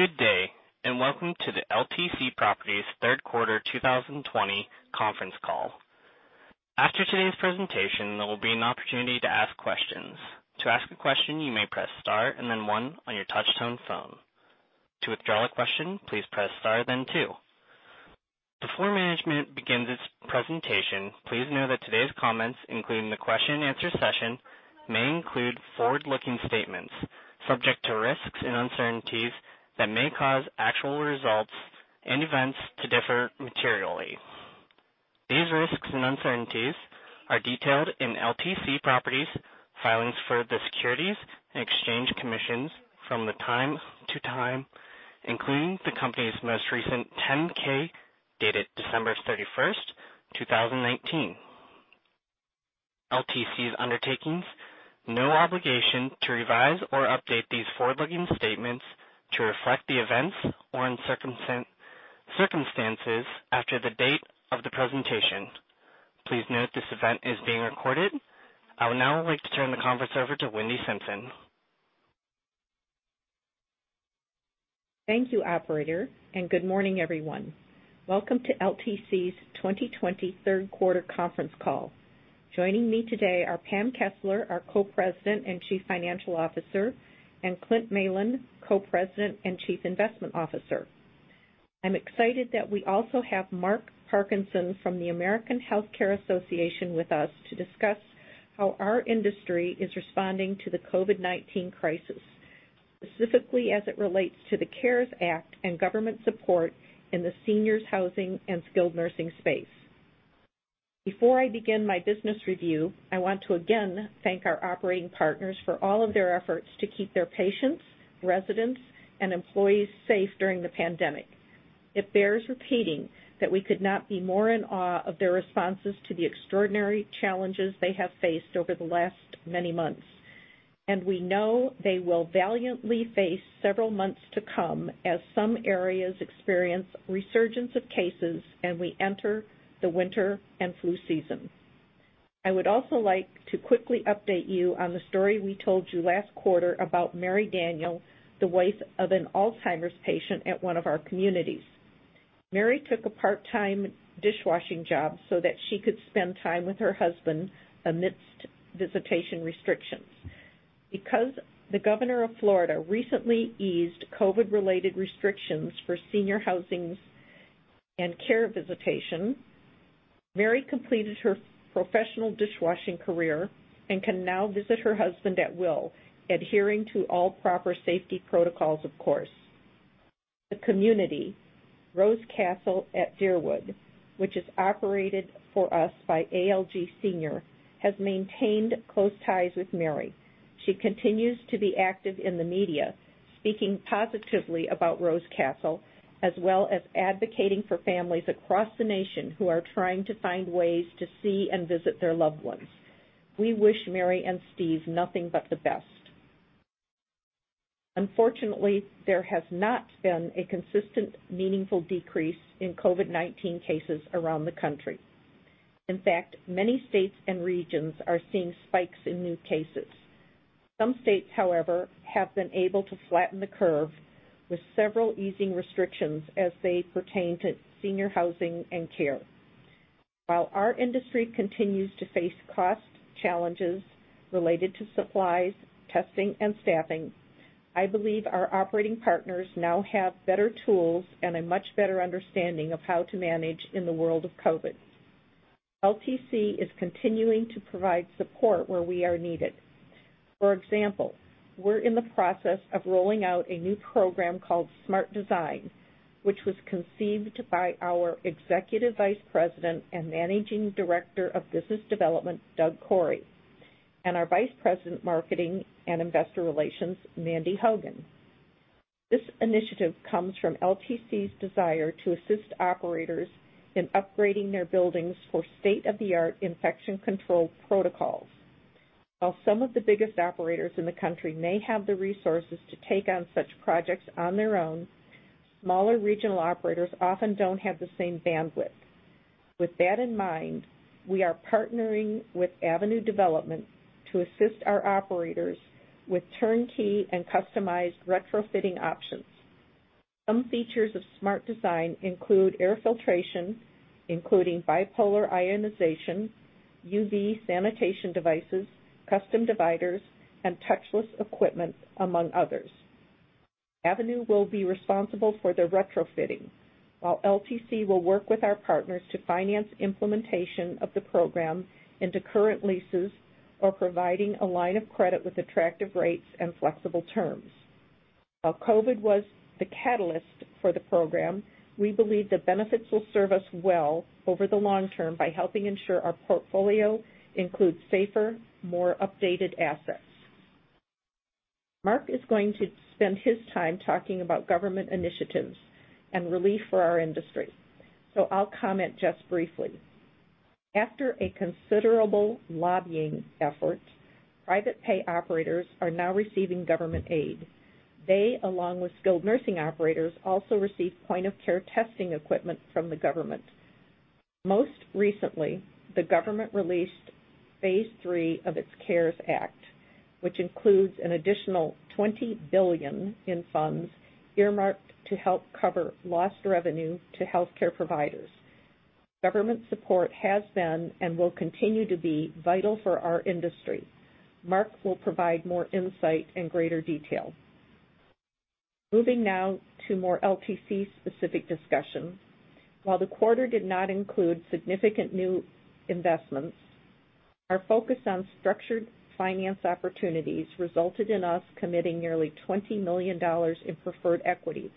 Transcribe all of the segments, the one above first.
Good day, welcome to the LTC Properties third quarter 2020 conference call. After today's presentation, there will be an opportunity to ask questions. To ask a question, you may Press Star and then one on your touch-tone phone. To withdraw a question, please Press Star, then two. Before management begins its presentation, please know that today's comments, including the question and answer session, may include forward-looking statements subject to risks and uncertainties that may cause actual results and events to differ materially. These risks and uncertainties are detailed in LTC Properties' filings for the Securities and Exchange Commission from time to time, including the company's most recent 10-K dated 31st December 2019. LTC's undertakings, no obligation to revise or update these forward-looking statements to reflect the events or circumstances after the date of the presentation. Please note this event is being recorded. I would now like to turn the conference over to Wendy Simpson. Thank you, operator, and good morning, everyone. Welcome to LTC Properties' 2020 third quarter conference call. Joining me today are Pam Kessler, our Co-President and Chief Financial Officer, and Clint Malin, Co-President and Chief Investment Officer. I'm excited that we also have Mark Parkinson from the American Health Care Association with us to discuss how our industry is responding to the COVID-19 crisis, specifically as it relates to the CARES Act and government support in the seniors housing and skilled nursing space. Before I begin my business review, I want to again thank our operating partners for all of their efforts to keep their patients, residents, and employees safe during the pandemic. It bears repeating that we could not be more in awe of their responses to the extraordinary challenges they have faced over the last many months, and we know they will valiantly face several months to come as some areas experience resurgence of cases, and we enter the winter and flu season. I would also like to quickly update you on the story we told you last quarter about Mary Daniel, the wife of an Alzheimer's patient at one of our communities. Mary took a part-time dishwashing job so that she could spend time with her husband amidst visitation restrictions. Because the governor of Florida recently eased COVID-related restrictions for senior housings and care visitation, Mary completed her professional dishwashing career and can now visit her husband at will, adhering to all proper safety protocols, of course. The community, Rosecastle at Deerwood, which is operated for us by ALG Senior, has maintained close ties with Mary. She continues to be active in the media, speaking positively about Rosecastle, as well as advocating for families across the nation who are trying to find ways to see and visit their loved ones. We wish Mary and Steve nothing but the best. Unfortunately, there has not been a consistent, meaningful decrease in COVID-19 cases around the country. In fact, many states and regions are seeing spikes in new cases. Some states, however, have been able to flatten the curve with several easing restrictions as they pertain to senior housing and care. While our industry continues to face cost challenges related to supplies, testing, and staffing, I believe our operating partners now have better tools and a much better understanding of how to manage in the world of COVID. LTC is continuing to provide support where we are needed. We're in the process of rolling out a new program called Smart Design, which was conceived by our Executive Vice President and Managing Director of Business Development, Doug Korey, and our Vice President, Marketing and Investor Relations, Mandi Hogan. This initiative comes from LTC's desire to assist operators in upgrading their buildings for state-of-the-art infection control protocols. Some of the biggest operators in the country may have the resources to take on such projects on their own, smaller regional operators often don't have the same bandwidth. We are partnering with Avenue Development to assist our operators with turnkey and customized retrofitting options. Some features of Smart Design include air filtration, including bipolar ionization, UV sanitation devices, custom dividers, and touchless equipment, among others. Avenue will be responsible for the retrofitting, while LTC will work with our partners to finance implementation of the program into current leases or providing a line of credit with attractive rates and flexible terms. While COVID was the catalyst for the program, we believe the benefits will serve us well over the long term by helping ensure our portfolio includes safer, more updated assets. Mark is going to spend his time talking about government initiatives and relief for our industry. I'll comment just briefly. After a considerable lobbying effort, private pay operators are now receiving government aid. They, along with skilled nursing operators, also receive point-of-care testing equipment from the government. Most recently, the government released phase three of its CARES Act, which includes an additional $20 billion in funds earmarked to help cover lost revenue to healthcare providers. Government support has been and will continue to be vital for our industry. Mark will provide more insight in greater detail. Moving now to more LTC specific discussions. While the quarter did not include significant new investments, our focus on structured finance opportunities resulted in us committing nearly $20 million in preferred equity,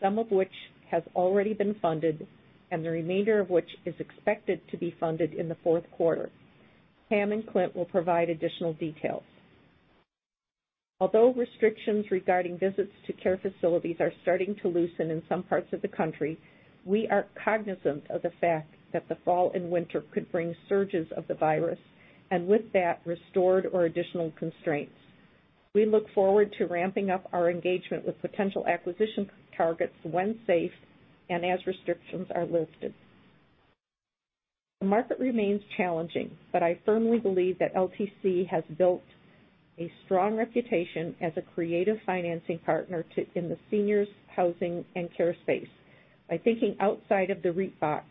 some of which has already been funded, and the remainder of which is expected to be funded in the fourth quarter. Pam and Clint will provide additional details. Although restrictions regarding visits to care facilities are starting to loosen in some parts of the country, we are cognizant of the fact that the fall and winter could bring surges of the virus, and with that, restored or additional constraints. We look forward to ramping up our engagement with potential acquisition targets when safe, and as restrictions are lifted. The market remains challenging, but I firmly believe that LTC has built a strong reputation as a creative financing partner in the seniors housing and care space by thinking outside of the REIT box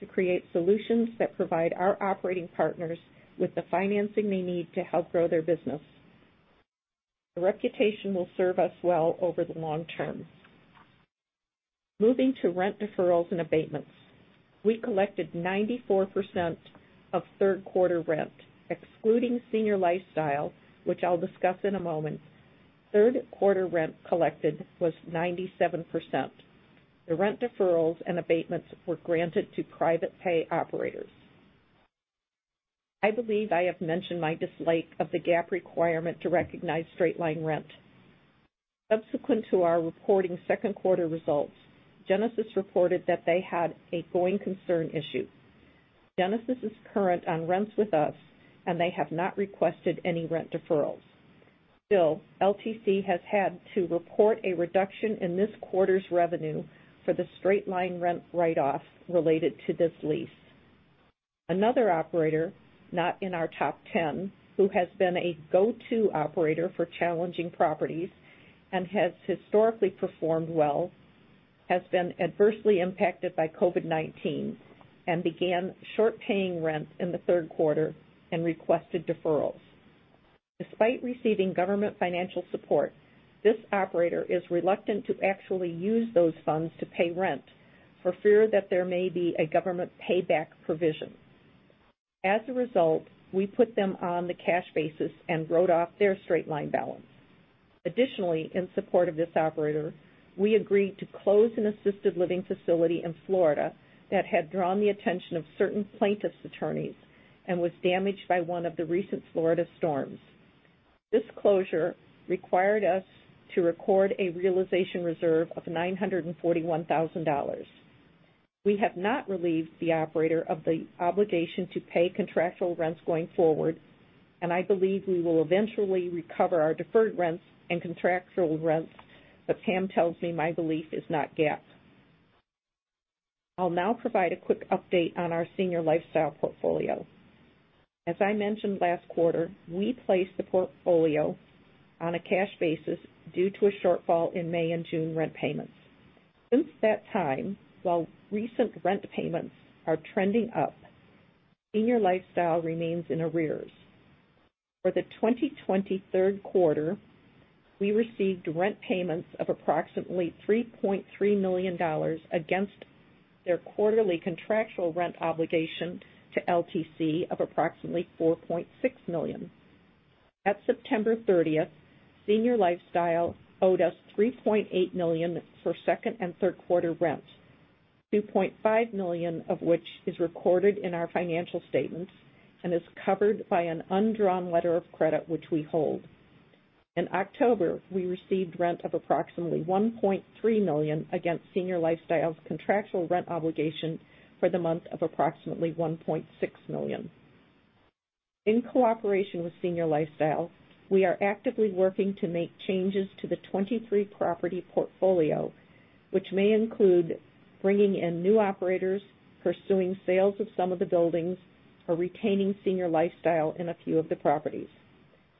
to create solutions that provide our operating partners with the financing they need to help grow their business. This reputation will serve us well over the long term. Moving to rent deferrals and abatements. We collected 94% of third quarter rent, excluding Senior Lifestyle, which I'll discuss in a moment. Third quarter rent collected was 97%. The rent deferrals and abatements were granted to private pay operators. I believe I have mentioned my dislike of the GAAP requirement to recognize straight-line rent. Subsequent to our reporting second quarter results, Genesis reported that they had a going concern issue. Genesis is current on rents with us, and they have not requested any rent deferrals. Still, LTC has had to report a reduction in this quarter's revenue for the straight-line rent write-off related to this lease. Another operator, not in our top 10, who has been a go-to operator for challenging properties and has historically performed well, has been adversely impacted by COVID-19 and began short paying rent in the third quarter and requested deferrals. Despite receiving government financial support, this operator is reluctant to actually use those funds to pay rent for fear that there may be a government payback provision. As a result, we put them on the cash basis and wrote off their straight-line balance. Additionally, in support of this operator, we agreed to close an assisted living facility in Florida that had drawn the attention of certain plaintiffs' attorneys and was damaged by one of the recent Florida storms. This closure required us to record a realization reserve of $941,000. We have not relieved the operator of the obligation to pay contractual rents going forward. I believe we will eventually recover our deferred rents and contractual rents. Pam tells me my belief is not GAAP. I'll now provide a quick update on our Senior Lifestyle portfolio. As I mentioned last quarter, we placed the portfolio on a cash basis due to a shortfall in May and June rent payments. Since that time, while recent rent payments are trending up, Senior Lifestyle remains in arrears. For the 2020 third quarter, we received rent payments of approximately $3.3 million against their quarterly contractual rent obligation to LTC of approximately $4.6 million. At September 30th, Senior Lifestyle owed us $3.8 million for second and third quarter rents, $2.5 million of which is recorded in our financial statements and is covered by an undrawn letter of credit, which we hold. In October, we received rent of approximately $1.3 million against Senior Lifestyle's contractual rent obligation for the month of approximately $1.6 million. In cooperation with Senior Lifestyle, we are actively working to make changes to the 23 property portfolio, which may include bringing in new operators, pursuing sales of some of the buildings, or retaining Senior Lifestyle in a few of the properties.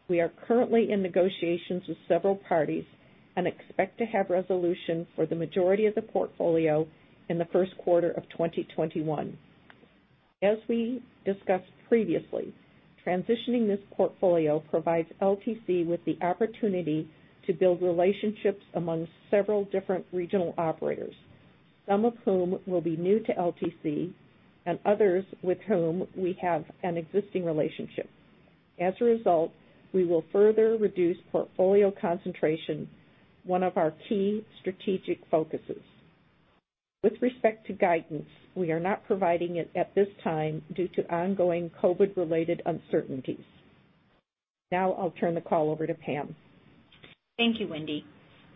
We are currently in negotiations with several parties and expect to have resolution for the majority of the portfolio in the first quarter of 2021. As we discussed previously, transitioning this portfolio provides LTC with the opportunity to build relationships among several different regional operators, some of whom will be new to LTC and others with whom we have an existing relationship. As a result, we will further reduce portfolio concentration, one of our key strategic focuses. With respect to guidance, we are not providing it at this time due to ongoing COVID-related uncertainties. Now I'll turn the call over to Pam. Thank you, Wendy.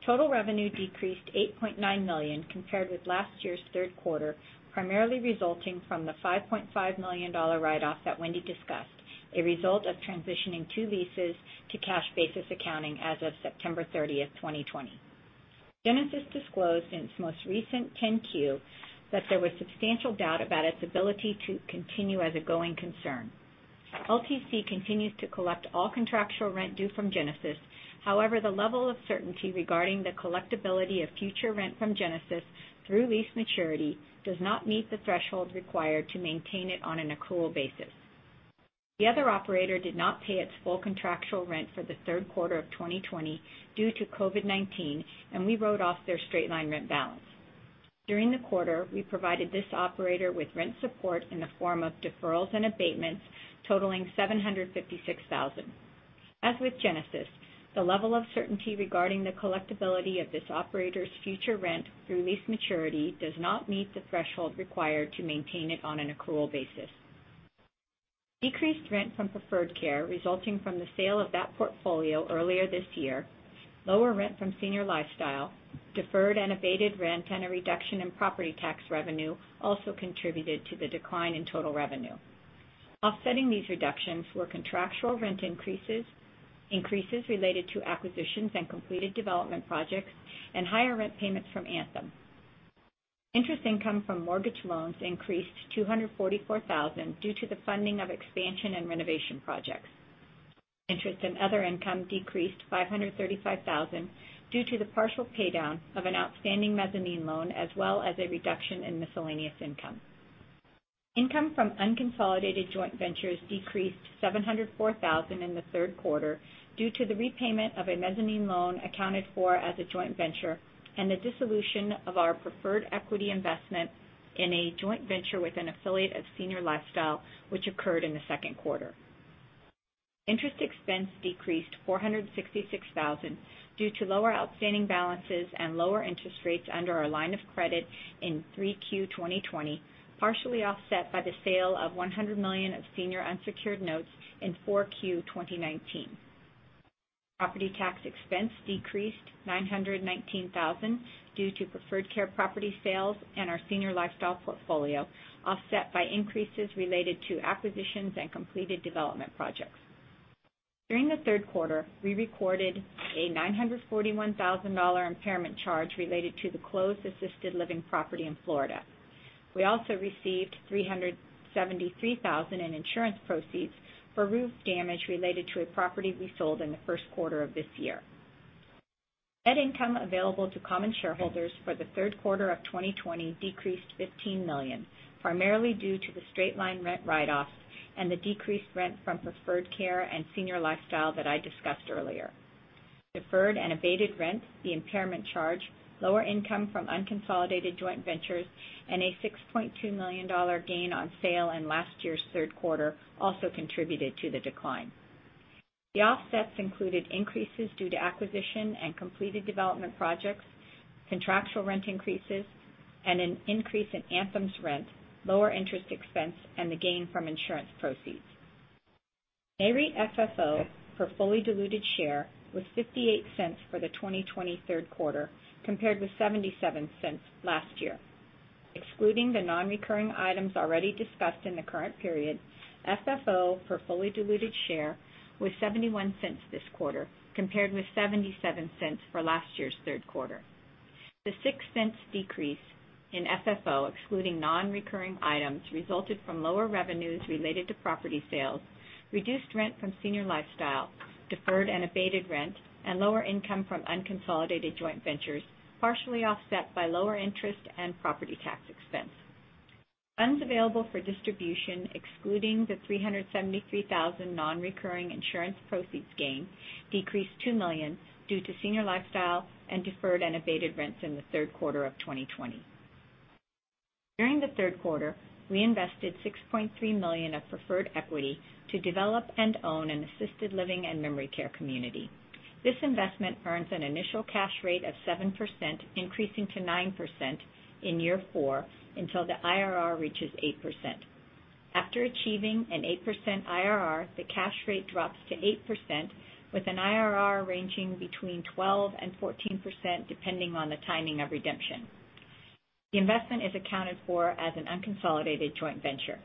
Total revenue decreased $8.9 million compared with last year's third quarter, primarily resulting from the $5.5 million write-off that Wendy discussed, a result of transitioning two leases to cash basis accounting as of September 30th, 2020. Genesis disclosed in its most recent 10-Q that there was substantial doubt about its ability to continue as a going concern. LTC continues to collect all contractual rent due from Genesis. However, the level of certainty regarding the collectibility of future rent from Genesis through lease maturity does not meet the threshold required to maintain it on an accrual basis. The other operator did not pay its full contractual rent for the third quarter of 2020 due to COVID-19, and we wrote off their straight-line rent balance. During the quarter, we provided this operator with rent support in the form of deferrals and abatements totaling $756,000. As with Genesis, the level of certainty regarding the collectibility of this operator's future rent through lease maturity does not meet the threshold required to maintain it on an accrual basis. Decreased rent from Preferred Care resulting from the sale of that portfolio earlier this year, lower rent from Senior Lifestyle, deferred and abated rent, and a reduction in property tax revenue also contributed to the decline in total revenue. Offsetting these reductions were contractual rent increases related to acquisitions and completed development projects, and higher rent payments from Anthem. Interest income from mortgage loans increased $244,000 due to the funding of expansion and renovation projects. Interest and other income decreased $535,000 due to the partial paydown of an outstanding mezzanine loan, as well as a reduction in miscellaneous income. Income from unconsolidated joint ventures decreased $704,000 in the third quarter due to the repayment of a mezzanine loan accounted for as a joint venture and the dissolution of our preferred equity investment in a joint venture with an affiliate of Senior Lifestyle, which occurred in the second quarter. Interest expense decreased $466,000 due to lower outstanding balances and lower interest rates under our line of credit in Q3 2020, partially offset by the sale of $100 million of senior unsecured notes in Q4 2019. Property tax expense decreased $919,000 due to Preferred Care property sales and our Senior Lifestyle portfolio, offset by increases related to acquisitions and completed development projects. During the third quarter, we recorded a $941,000 impairment charge related to the closed assisted living property in Florida. We also received $373,000 in insurance proceeds for roof damage related to a property we sold in the first quarter of this year. Net income available to common shareholders for the third quarter of 2020 decreased $15 million, primarily due to the straight-line rent write-offs and the decreased rent from Preferred Care and Senior Lifestyle that I discussed earlier. Deferred and abated rent, the impairment charge, lower income from unconsolidated joint ventures, and a $6.2 million gain on sale in last year's third quarter also contributed to the decline. The offsets included increases due to acquisition and completed development projects, contractual rent increases, and an increase in Anthem's rent, lower interest expense, and the gain from insurance proceeds. AIRE FFO per fully diluted share was $0.58 for the 2020 third quarter, compared with $0.77 last year. Excluding the non-recurring items already discussed in the current period, FFO per fully diluted share was $0.71 this quarter, compared with $0.77 for last year's third quarter. The $0.06 decrease in FFO excluding non-recurring items resulted from lower revenues related to property sales, reduced rent from Senior Lifestyle, deferred and abated rent, and lower income from unconsolidated joint ventures, partially offset by lower interest and property tax expense. Funds available for distribution, excluding the $373,000 non-recurring insurance proceeds gain, decreased $2 million due to Senior Lifestyle and deferred and abated rents in the third quarter of 2020. During the third quarter, we invested $6.3 million of preferred equity to develop and own an assisted living and memory care community. This investment earns an initial cash rate of 7%, increasing to 9% in year four until the IRR reaches 8%. After achieving an 8% IRR, the cash rate drops to 8%, with an IRR ranging between 12% and 14%, depending on the timing of redemption. The investment is accounted for as an unconsolidated joint venture.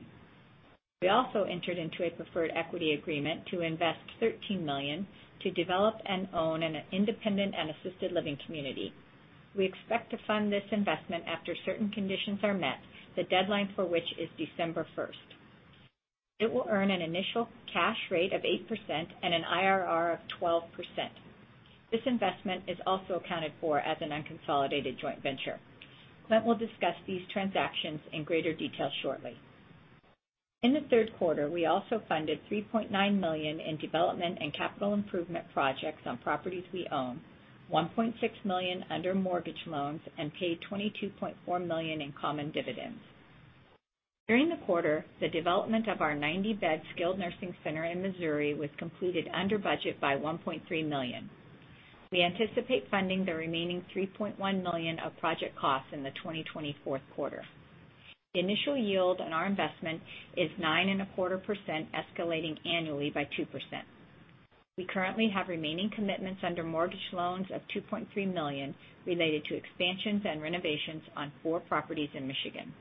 We also entered into a preferred equity agreement to invest $13 million to develop and own an independent and assisted living community. We expect to fund this investment after certain conditions are met, the deadline for which is December 1st. It will earn an initial cash rate of 8% and an IRR of 12%. This investment is also accounted for as an unconsolidated joint venture. Clint will discuss these transactions in greater detail shortly. In the third quarter, we also funded $3.9 million in development and capital improvement projects on properties we own, $1.6 million under mortgage loans, and paid $22.4 million in common dividends. During the quarter, the development of our 90-bed skilled nursing center in Missouri was completed under budget by $1.3 million. We anticipate funding the remaining $3.1 million of project costs in the 2020 fourth quarter. The initial yield on our investment is 9.25%, escalating annually by 2%. We currently have remaining commitments under mortgage loans of $2.3 million related to expansions and renovations on four properties in Michigan.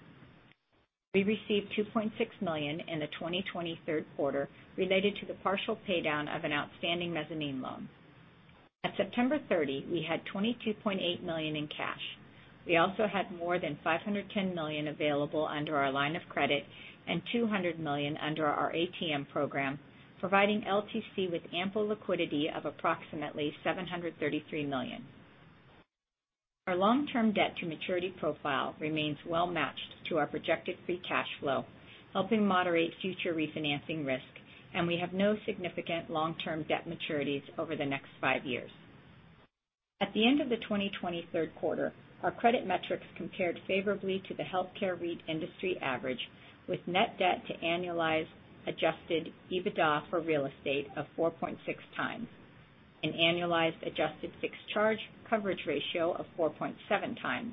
We received $2.6 million in the 2020 third quarter related to the partial pay-down of an outstanding mezzanine loan. At September 30th, we had $22.8 million in cash. We also had more than $510 million available under our line of credit and $200 million under our ATM program, providing LTC with ample liquidity of approximately $733 million. Our long-term debt to maturity profile remains well-matched to our projected free cash flow, helping moderate future refinancing risk, and we have no significant long-term debt maturities over the next five years. At the end of the 2020 third quarter, our credit metrics compared favorably to the healthcare REIT industry average with net debt to annualized adjusted EBITDA for real estate of 4.6x, an annualized adjusted fixed charge coverage ratio of 4.7x,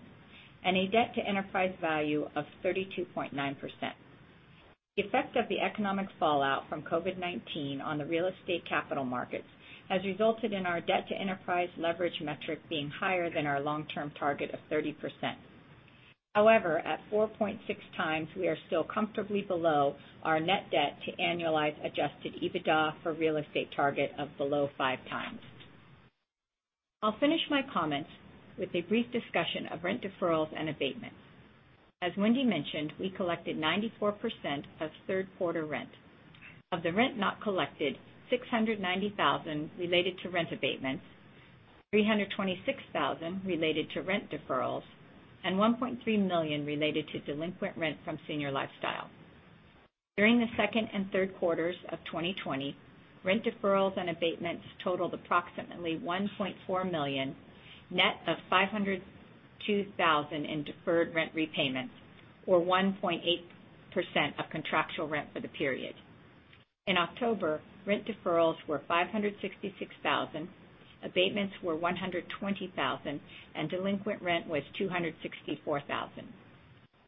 and a debt to enterprise value of 32.9%. The effect of the economic fallout from COVID-19 on the real estate capital markets has resulted in our debt to enterprise leverage metric being higher than our long-term target of 30%. At 4.6x, we are still comfortably below our net debt to annualized adjusted EBITDA for real estate target of below 5x. I'll finish my comments with a brief discussion of rent deferrals and abatements. As Wendy mentioned, we collected 94% of third quarter rent. Of the rent not collected, $690,000 related to rent abatements, $326,000 related to rent deferrals, and $1.3 million related to delinquent rent from Senior Lifestyle. During the second and third quarters of 2020, rent deferrals and abatements totaled approximately $1.4 million, net of $502,000 in deferred rent repayments, or 1.8% of contractual rent for the period. In October, rent deferrals were $566,000, abatements were $120,000, and delinquent rent was $264,000.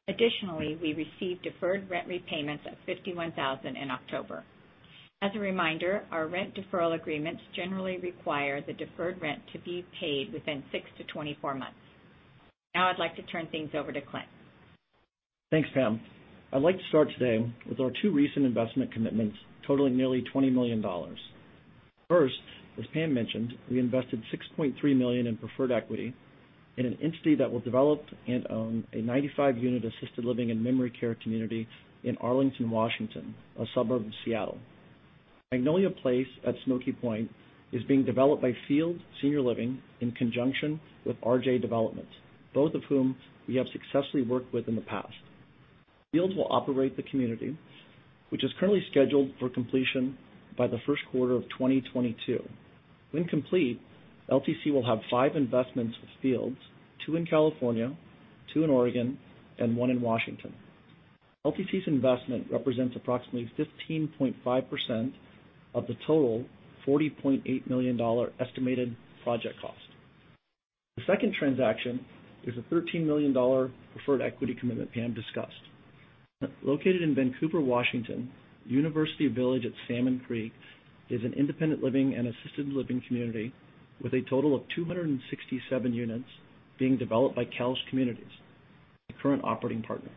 Additionally, we received deferred rent repayments of $51,000 in October. As a reminder, our rent deferral agreements generally require the deferred rent to be paid within six to 24 months. Now I'd like to turn things over to Clint. Thanks, Pam. I'd like to start today with our two recent investment commitments totaling nearly $20 million. First, as Pam mentioned, we invested $6.3 million in preferred equity in an entity that will develop and own a 95-unit assisted living and memory care community in Arlington, Washington, a suburb of Seattle. Magnolia Place at Smokey Point is being developed by Fields Senior Living in conjunction with RJ Development, both of whom we have successfully worked with in the past. Fields will operate the community, which is currently scheduled for completion by the first quarter of 2022. When complete, LTC will have five investments with Fields, two in California, two in Oregon, and one in Washington. LTC's investment represents approximately 15.5% of the total $40.8 million estimated project cost. The second transaction is a $13 million preferred equity commitment Pam discussed. Located in Vancouver, Washington, University Village at Salmon Creek is an independent living and assisted living community with a total of 267 units being developed by Koelsch Communities, the current operating partner.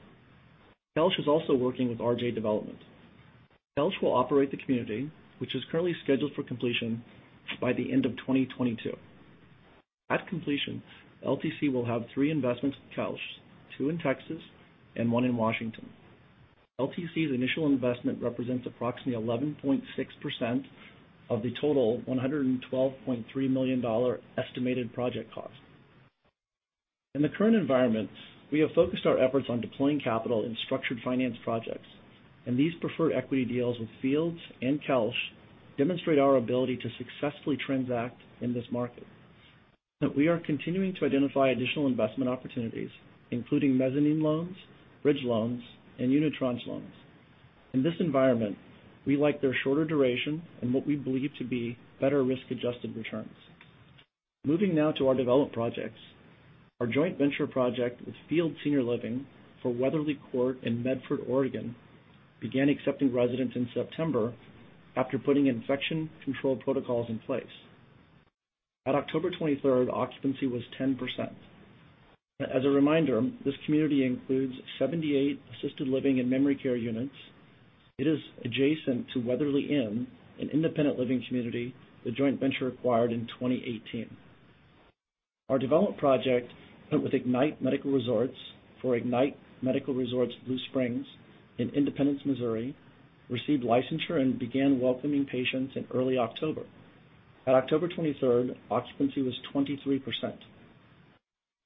Koelsch is also working with RJ Development. Koelsch will operate the community, which is currently scheduled for completion by the end of 2022. At completion, LTC Properties will have three investments with Koelsch, two in Texas and one in Washington. LTC Properties' initial investment represents approximately 11.6% of the total $112.3 million estimated project cost. In the current environment, we have focused our efforts on deploying capital in structured finance projects, and these preferred equity deals with Fields Senior Living and Koelsch demonstrate our ability to successfully transact in this market. We are continuing to identify additional investment opportunities, including mezzanine loans, bridge loans, and unitranche loans. In this environment, we like their shorter duration and what we believe to be better risk-adjusted returns. Moving now to our development projects. Our joint venture project with Fields Senior Living for Weatherly Court in Medford, Oregon began accepting residents in September after putting infection control protocols in place. At October 23rd, occupancy was 10%. As a reminder, this community includes 78 assisted living and memory care units. It is adjacent to Weatherly Inn, an independent living community the joint venture acquired in 2018. Our development project with Ignite Medical Resorts for Ignite Medical Resorts Blue Springs in Independence, Missouri, received licensure and began welcoming patients in early October. At October 23rd, occupancy was 23%.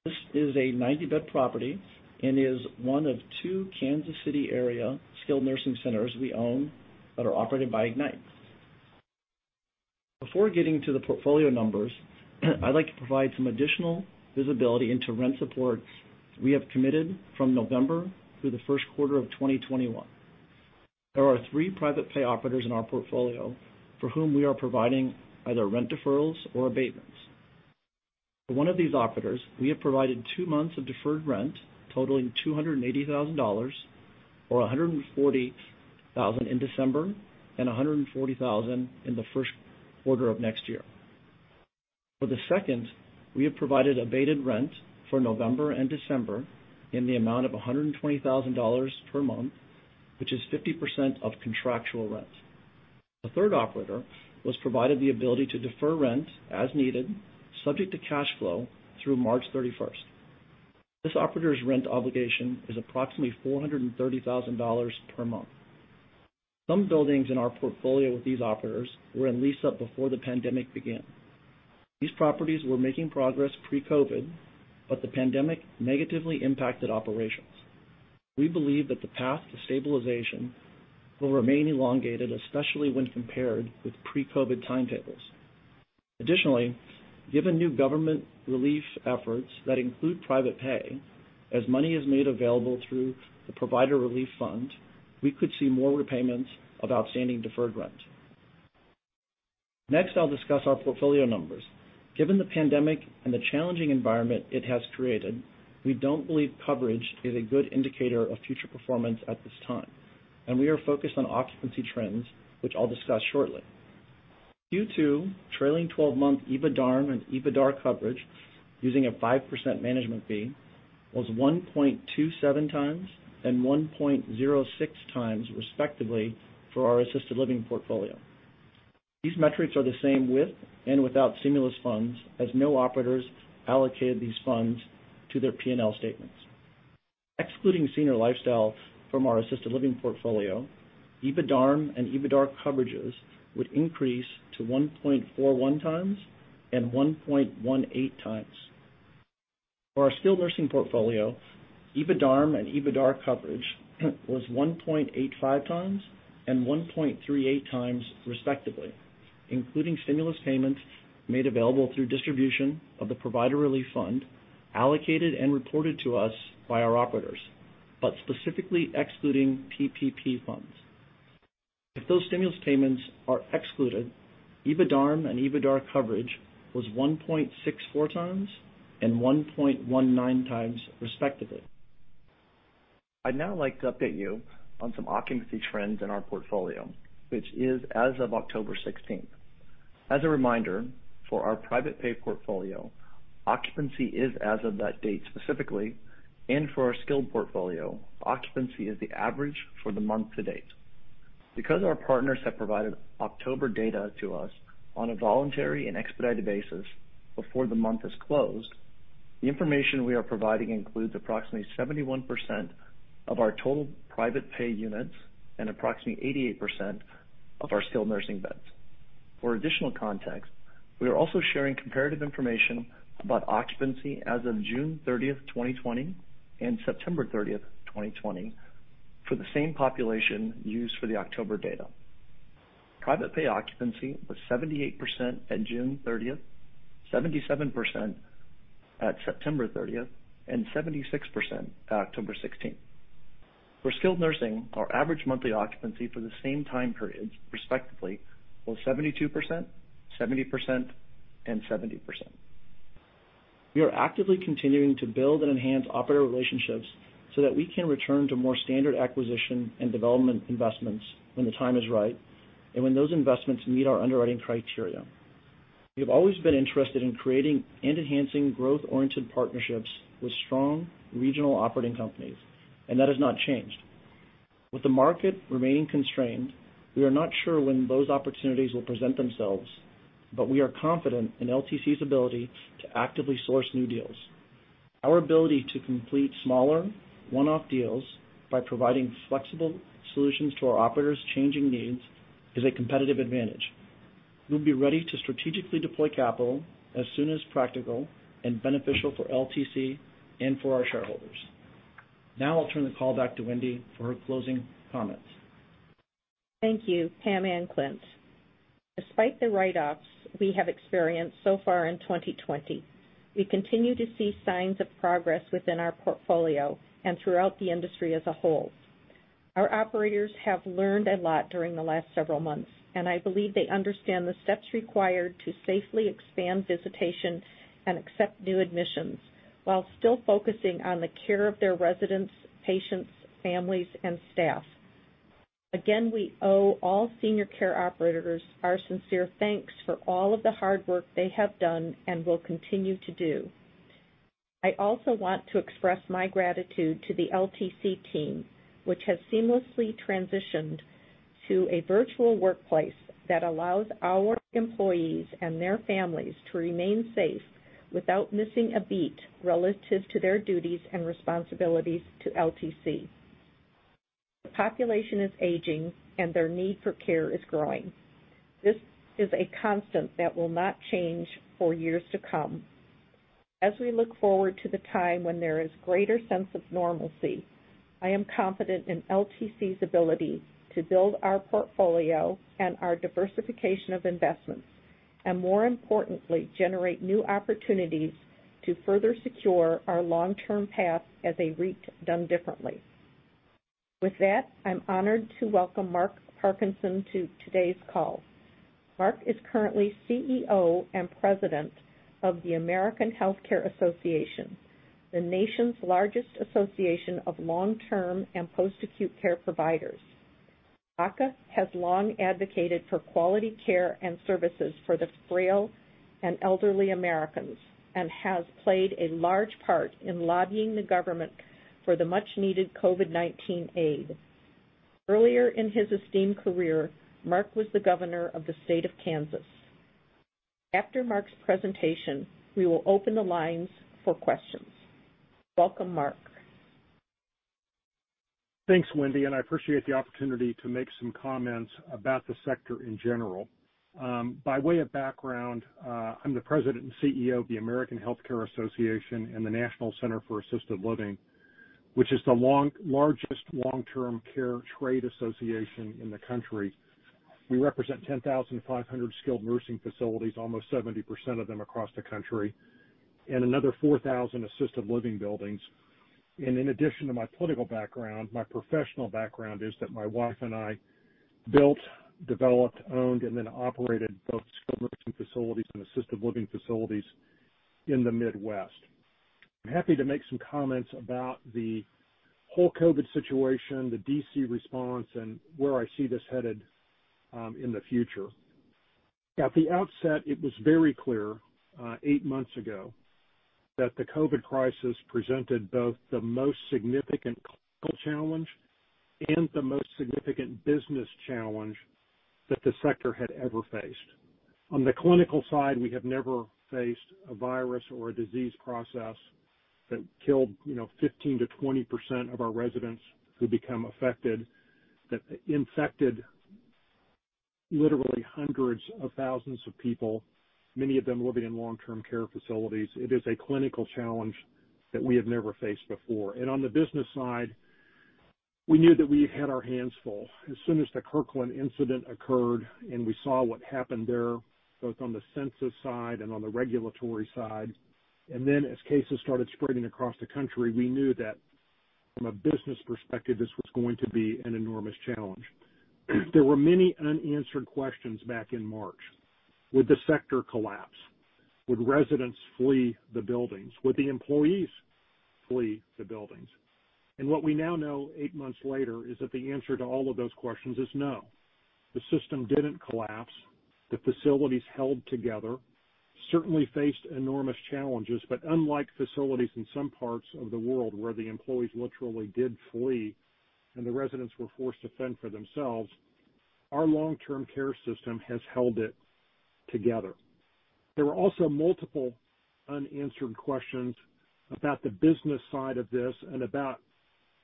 This is a 90-bed property and is one of two Kansas City area skilled nursing centers we own that are operated by Ignite. Before getting to the portfolio numbers, I'd like to provide some additional visibility into rent supports we have committed from November through the first quarter of 2021. There are three private pay operators in our portfolio for whom we are providing either rent deferrals or abatements. For one of these operators, we have provided two months of deferred rent totaling $280,000, or $140,000 in December and $140,000 in the first quarter of next year. For the second, we have provided abated rent for November and December in the amount of $120,000 per month, which is 50% of contractual rent. The third operator was provided the ability to defer rent as needed, subject to cash flow through March 31st. This operator's rent obligation is approximately $430,000 per month. Some buildings in our portfolio with these operators were in lease-up before the pandemic began. These properties were making progress pre-COVID. The pandemic negatively impacted operations. We believe that the path to stabilization will remain elongated, especially when compared with pre-COVID timetables. Additionally, given new government relief efforts that include private pay, as money is made available through the Provider Relief Fund, we could see more repayments of outstanding deferred rent. I'll discuss our portfolio numbers. Given the pandemic and the challenging environment it has created, we don't believe coverage is a good indicator of future performance at this time, and we are focused on occupancy trends, which I'll discuss shortly. Q2 trailing 12-month EBITDARM and EBITDAR coverage, using a 5% management fee, was 1.27x and 1.06x, respectively, for our assisted living portfolio. These metrics are the same with and without stimulus funds, as no operators allocated these funds to their P&L statements. Excluding Senior Lifestyle from our assisted living portfolio, EBITDARM and EBITDAR coverages would increase to 1.41x and 1.18x. For our skilled nursing portfolio, EBITDARM and EBITDAR coverage was 1.85x and 1.38x, respectively, including stimulus payments made available through distribution of the Provider Relief Fund, allocated and reported to us by our operators, but specifically excluding PPP funds. If those stimulus payments are excluded, EBITDARM and EBITDAR coverage was 1.64x and 1.19x, respectively. I'd now like to update you on some occupancy trends in our portfolio, which is as of October 16th. As a reminder, for our private pay portfolio, occupancy is as of that date specifically, and for our skilled portfolio, occupancy is the average for the month to date. Because our partners have provided October data to us on a voluntary and expedited basis before the month is closed, the information we are providing includes approximately 71% of our total private pay units and approximately 88% of our skilled nursing beds. For additional context, we are also sharing comparative information about occupancy as of June 30th, 2020, and 30th September 2020, for the same population used for the October data. Private pay occupancy was 78% at June 30th, 77% at September 30th, and 76% at October 16th. For skilled nursing, our average monthly occupancy for the same time periods, respectively, was 72%, 70%, and 70%. We are actively continuing to build and enhance operator relationships so that we can return to more standard acquisition and development investments when the time is right and when those investments meet our underwriting criteria. We have always been interested in creating and enhancing growth-oriented partnerships with strong regional operating companies, and that has not changed. With the market remaining constrained, we are not sure when those opportunities will present themselves, but we are confident in LTC's ability to actively source new deals. Our ability to complete smaller one-off deals by providing flexible solutions to our operators' changing needs is a competitive advantage. We'll be ready to strategically deploy capital as soon as practical and beneficial for LTC and for our shareholders. Now I'll turn the call back to Wendy for her closing comments. Thank you, Pam and Clint. Despite the write-offs we have experienced so far in 2020, we continue to see signs of progress within our portfolio and throughout the industry as a whole. Our operators have learned a lot during the last several months. I believe they understand the steps required to safely expand visitation and accept new admissions while still focusing on the care of their residents, patients, families, and staff. Again, we owe all senior care operators our sincere thanks for all of the hard work they have done and will continue to do. I also want to express my gratitude to the LTC team, which has seamlessly transitioned to a virtual workplace that allows our employees and their families to remain safe without missing a beat relative to their duties and responsibilities to LTC. The population is aging. Their need for care is growing. This is a constant that will not change for years to come. As we look forward to the time when there is greater sense of normalcy, I am confident in LTC Properties' ability to build our portfolio and our diversification of investments, and more importantly, generate new opportunities to further secure our long-term path as a REIT done differently. With that, I'm honored to welcome Mark Parkinson to today's call. Mark is currently CEO and President of the American Health Care Association, the nation's largest association of long-term and post-acute care providers. AHCA has long advocated for quality care and services for the frail and elderly Americans, and has played a large part in lobbying the government for the much-needed COVID-19 aid. Earlier in his esteemed career, Mark was the Governor of the state of Kansas. After Mark's presentation, we will open the lines for questions. Welcome, Mark. Thanks, Wendy, I appreciate the opportunity to make some comments about the sector in general. By way of background, I'm the President and CEO of the American Health Care Association and the National Center for Assisted Living, which is the largest long-term care trade association in the country. We represent 10,500 skilled nursing facilities, almost 70% of them across the country, and another 4,000 assisted living buildings. In addition to my political background, my professional background is that my wife and I built, developed, owned, and then operated both skilled nursing facilities and assisted living facilities in the Midwest. I'm happy to make some comments about the whole COVID situation, the D.C. response, and where I see this headed in the future. At the outset, it was very clear, eight months ago, that the COVID crisis presented both the most significant clinical challenge and the most significant business challenge that the sector had ever faced. On the clinical side, we have never faced a virus or a disease process that killed 15%-20% of our residents who become affected, that infected literally hundreds of thousands of people, many of them living in long-term care facilities. It is a clinical challenge that we have never faced before. On the business side, we knew that we had our hands full. As soon as the Kirkland incident occurred, we saw what happened there, both on the census side and on the regulatory side. As cases started spreading across the country, we knew that from a business perspective, this was going to be an enormous challenge. There were many unanswered questions back in March. Would the sector collapse? Would residents flee the buildings? Would the employees flee the buildings? What we now know eight months later is that the answer to all of those questions is no. The system didn't collapse. The facilities held together, certainly faced enormous challenges, but unlike facilities in some parts of the world where the employees literally did flee and the residents were forced to fend for themselves, our long-term care system has held it together. There were also multiple unanswered questions about the business side of this and about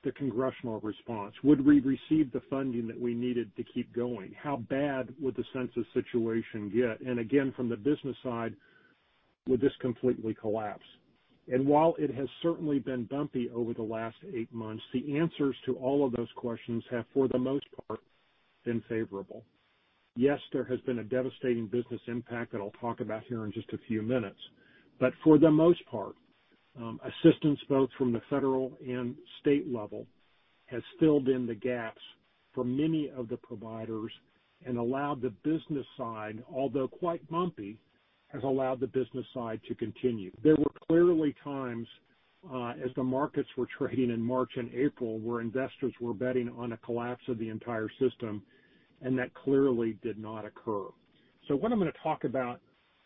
the congressional response. Would we receive the funding that we needed to keep going? How bad would the census situation get? Again, from the business side, would this completely collapse? While it has certainly been bumpy over the last eight months, the answers to all of those questions have, for the most part, been favorable. Yes, there has been a devastating business impact that I'll talk about here in just a few minutes. For the most part, assistance both from the federal and state level has filled in the gaps for many of the providers and, although quite bumpy, has allowed the business side to continue. There were clearly times, as the markets were trading in March and April, where investors were betting on a collapse of the entire system, and that clearly did not occur. What I'm going to talk about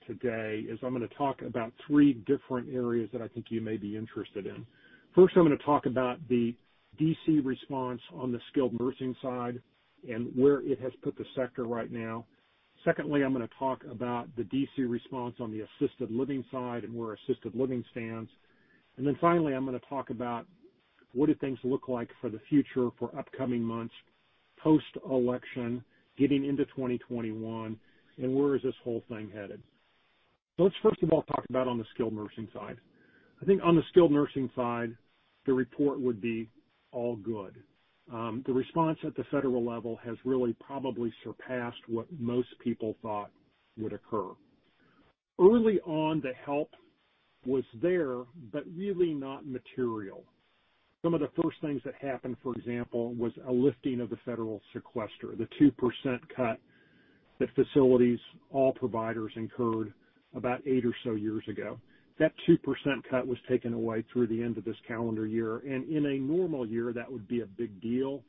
today is I'm going to talk about three different areas that I think you may be interested in. First, I'm going to talk about the D.C. response on the skilled nursing side and where it has put the sector right now. Secondly, I'm going to talk about the D.C. response on the assisted living side and where assisted living stands. Finally, I'm going to talk about what do things look like for the future, for upcoming months, post-election, getting into 2021, and where is this whole thing headed. Let's first of all talk about on the skilled nursing side. I think on the skilled nursing side, the report would be all good. The response at the federal level has really probably surpassed what most people thought would occur. Early on, the help was there, but really not material. Some of the first things that happened, for example, was a lifting of the federal sequester, the 2% cut that facilities, all providers incurred about eight or so years ago. That 2% cut was taken away through the end of this calendar year. In a normal year, that would be a big deal,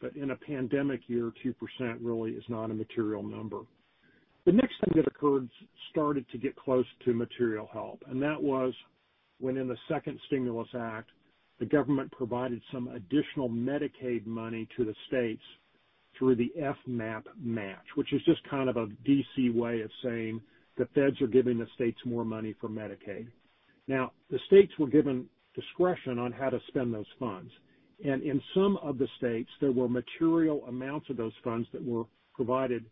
but in a pandemic year, 2% really is not a material number. The next thing that occurred started to get close to material help, and that was when in the second Stimulus Act, the government provided some additional Medicaid money to the states through the FMAP match, which is just kind of a D.C. way of saying the feds are giving the states more money for Medicaid. Now, the states were given discretion on how to spend those funds, and in some of the states, there were material amounts of those funds that were provided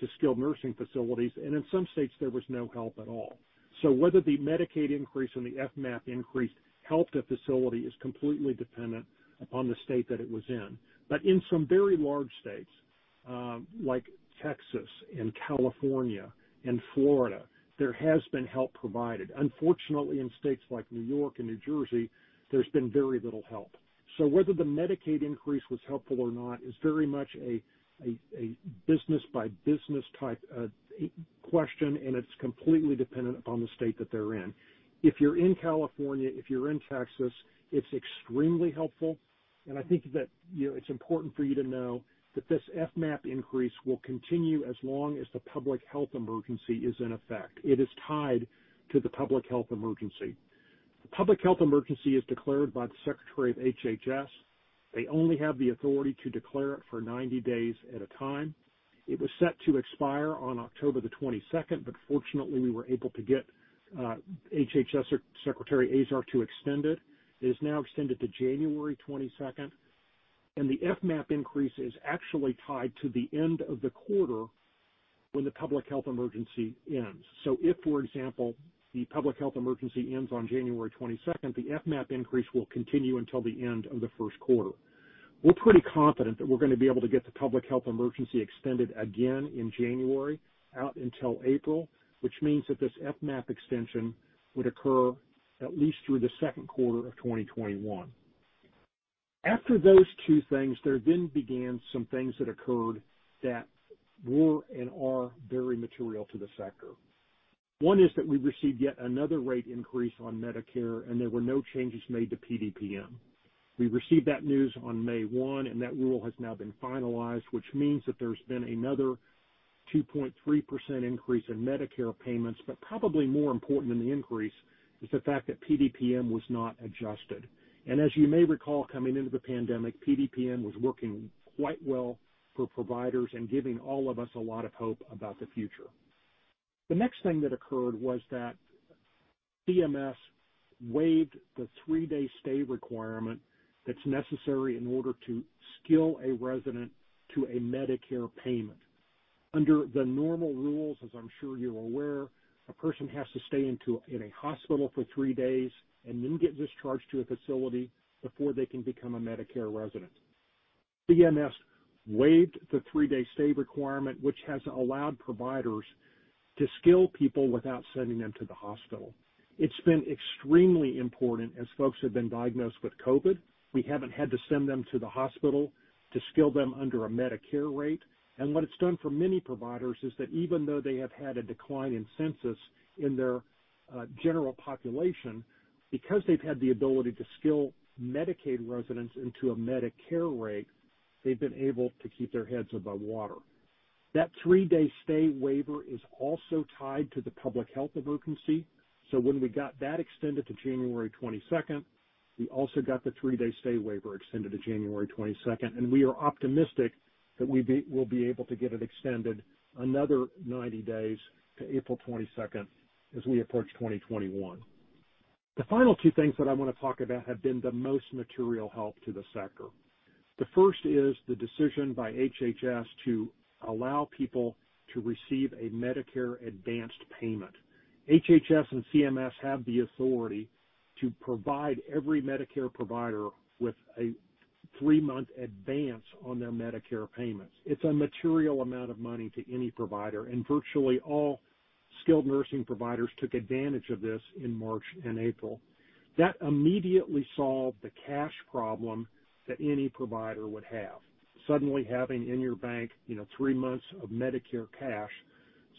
to skilled nursing facilities, and in some states, there was no help at all. Whether the Medicaid increase or the FMAP increase helped a facility is completely dependent upon the state that it was in. In some very large states, like Texas and California and Florida, there has been help provided. Unfortunately, in states like New York and New Jersey, there's been very little help. Whether the Medicaid increase was helpful or not is very much a business-by-business type question, and it's completely dependent upon the state that they're in. If you're in California, if you're in Texas, it's extremely helpful. I think that it's important for you to know that this FMAP increase will continue as long as the public health emergency is in effect. It is tied to the public health emergency. The public health emergency is declared by the Secretary of HHS. They only have the authority to declare it for 90 days at a time. It was set to expire on October the 22nd. Fortunately, we were able to get HHS Secretary Azar to extend it. It is now extended to January 22nd. The FMAP increase is actually tied to the end of the quarter when the public health emergency ends. If, for example, the public health emergency ends on January 22nd, the FMAP increase will continue until the end of the first quarter. We're pretty confident that we're going to be able to get the public health emergency extended again in January out until April, which means that this FMAP extension would occur at least through the second quarter of 2021. After those two things, there then began some things that occurred that were and are very material to the sector. One is that we received yet another rate increase on Medicare, and there were no changes made to PDPM. We received that news on May 1st, and that rule has now been finalized, which means that there's been another 2.3% increase in Medicare payments. Probably more important than the increase is the fact that PDPM was not adjusted. As you may recall, coming into the pandemic, PDPM was working quite well for providers and giving all of us a lot of hope about the future. The next thing that occurred was that CMS waived the three-day stay requirement that is necessary in order to skill a resident to a Medicare payment. Under the normal rules, as I am sure you are aware, a person has to stay in a hospital for three days and then get discharged to a facility before they can become a Medicare resident. CMS waived the three-day stay requirement, which has allowed providers to skill people without sending them to the hospital. It has been extremely important as folks have been diagnosed with COVID. We have not had to send them to the hospital to skill them under a Medicare rate. What it has done for many providers is that even though they have had a decline in census in their general population, because they have had the ability to skill Medicaid residents into a Medicare rate, they have been able to keep their heads above water. That three-day stay waiver is also tied to the public health emergency. When we got that extended to January 22nd, we also got the three-day stay waiver extended to January 22nd, and we are optimistic that we'll be able to get it extended another 90 days to April 22nd as we approach 2021. The final two things that I want to talk about have been the most material help to the sector. The first is the decision by HHS to allow people to receive a Medicare advanced payment. HHS and CMS have the authority to provide every Medicare provider with a three-month advance on their Medicare payments. It's a material amount of money to any provider, and virtually all skilled nursing providers took advantage of this in March and April. That immediately solved the cash problem that any provider would have. Suddenly having in your bank three months of Medicare cash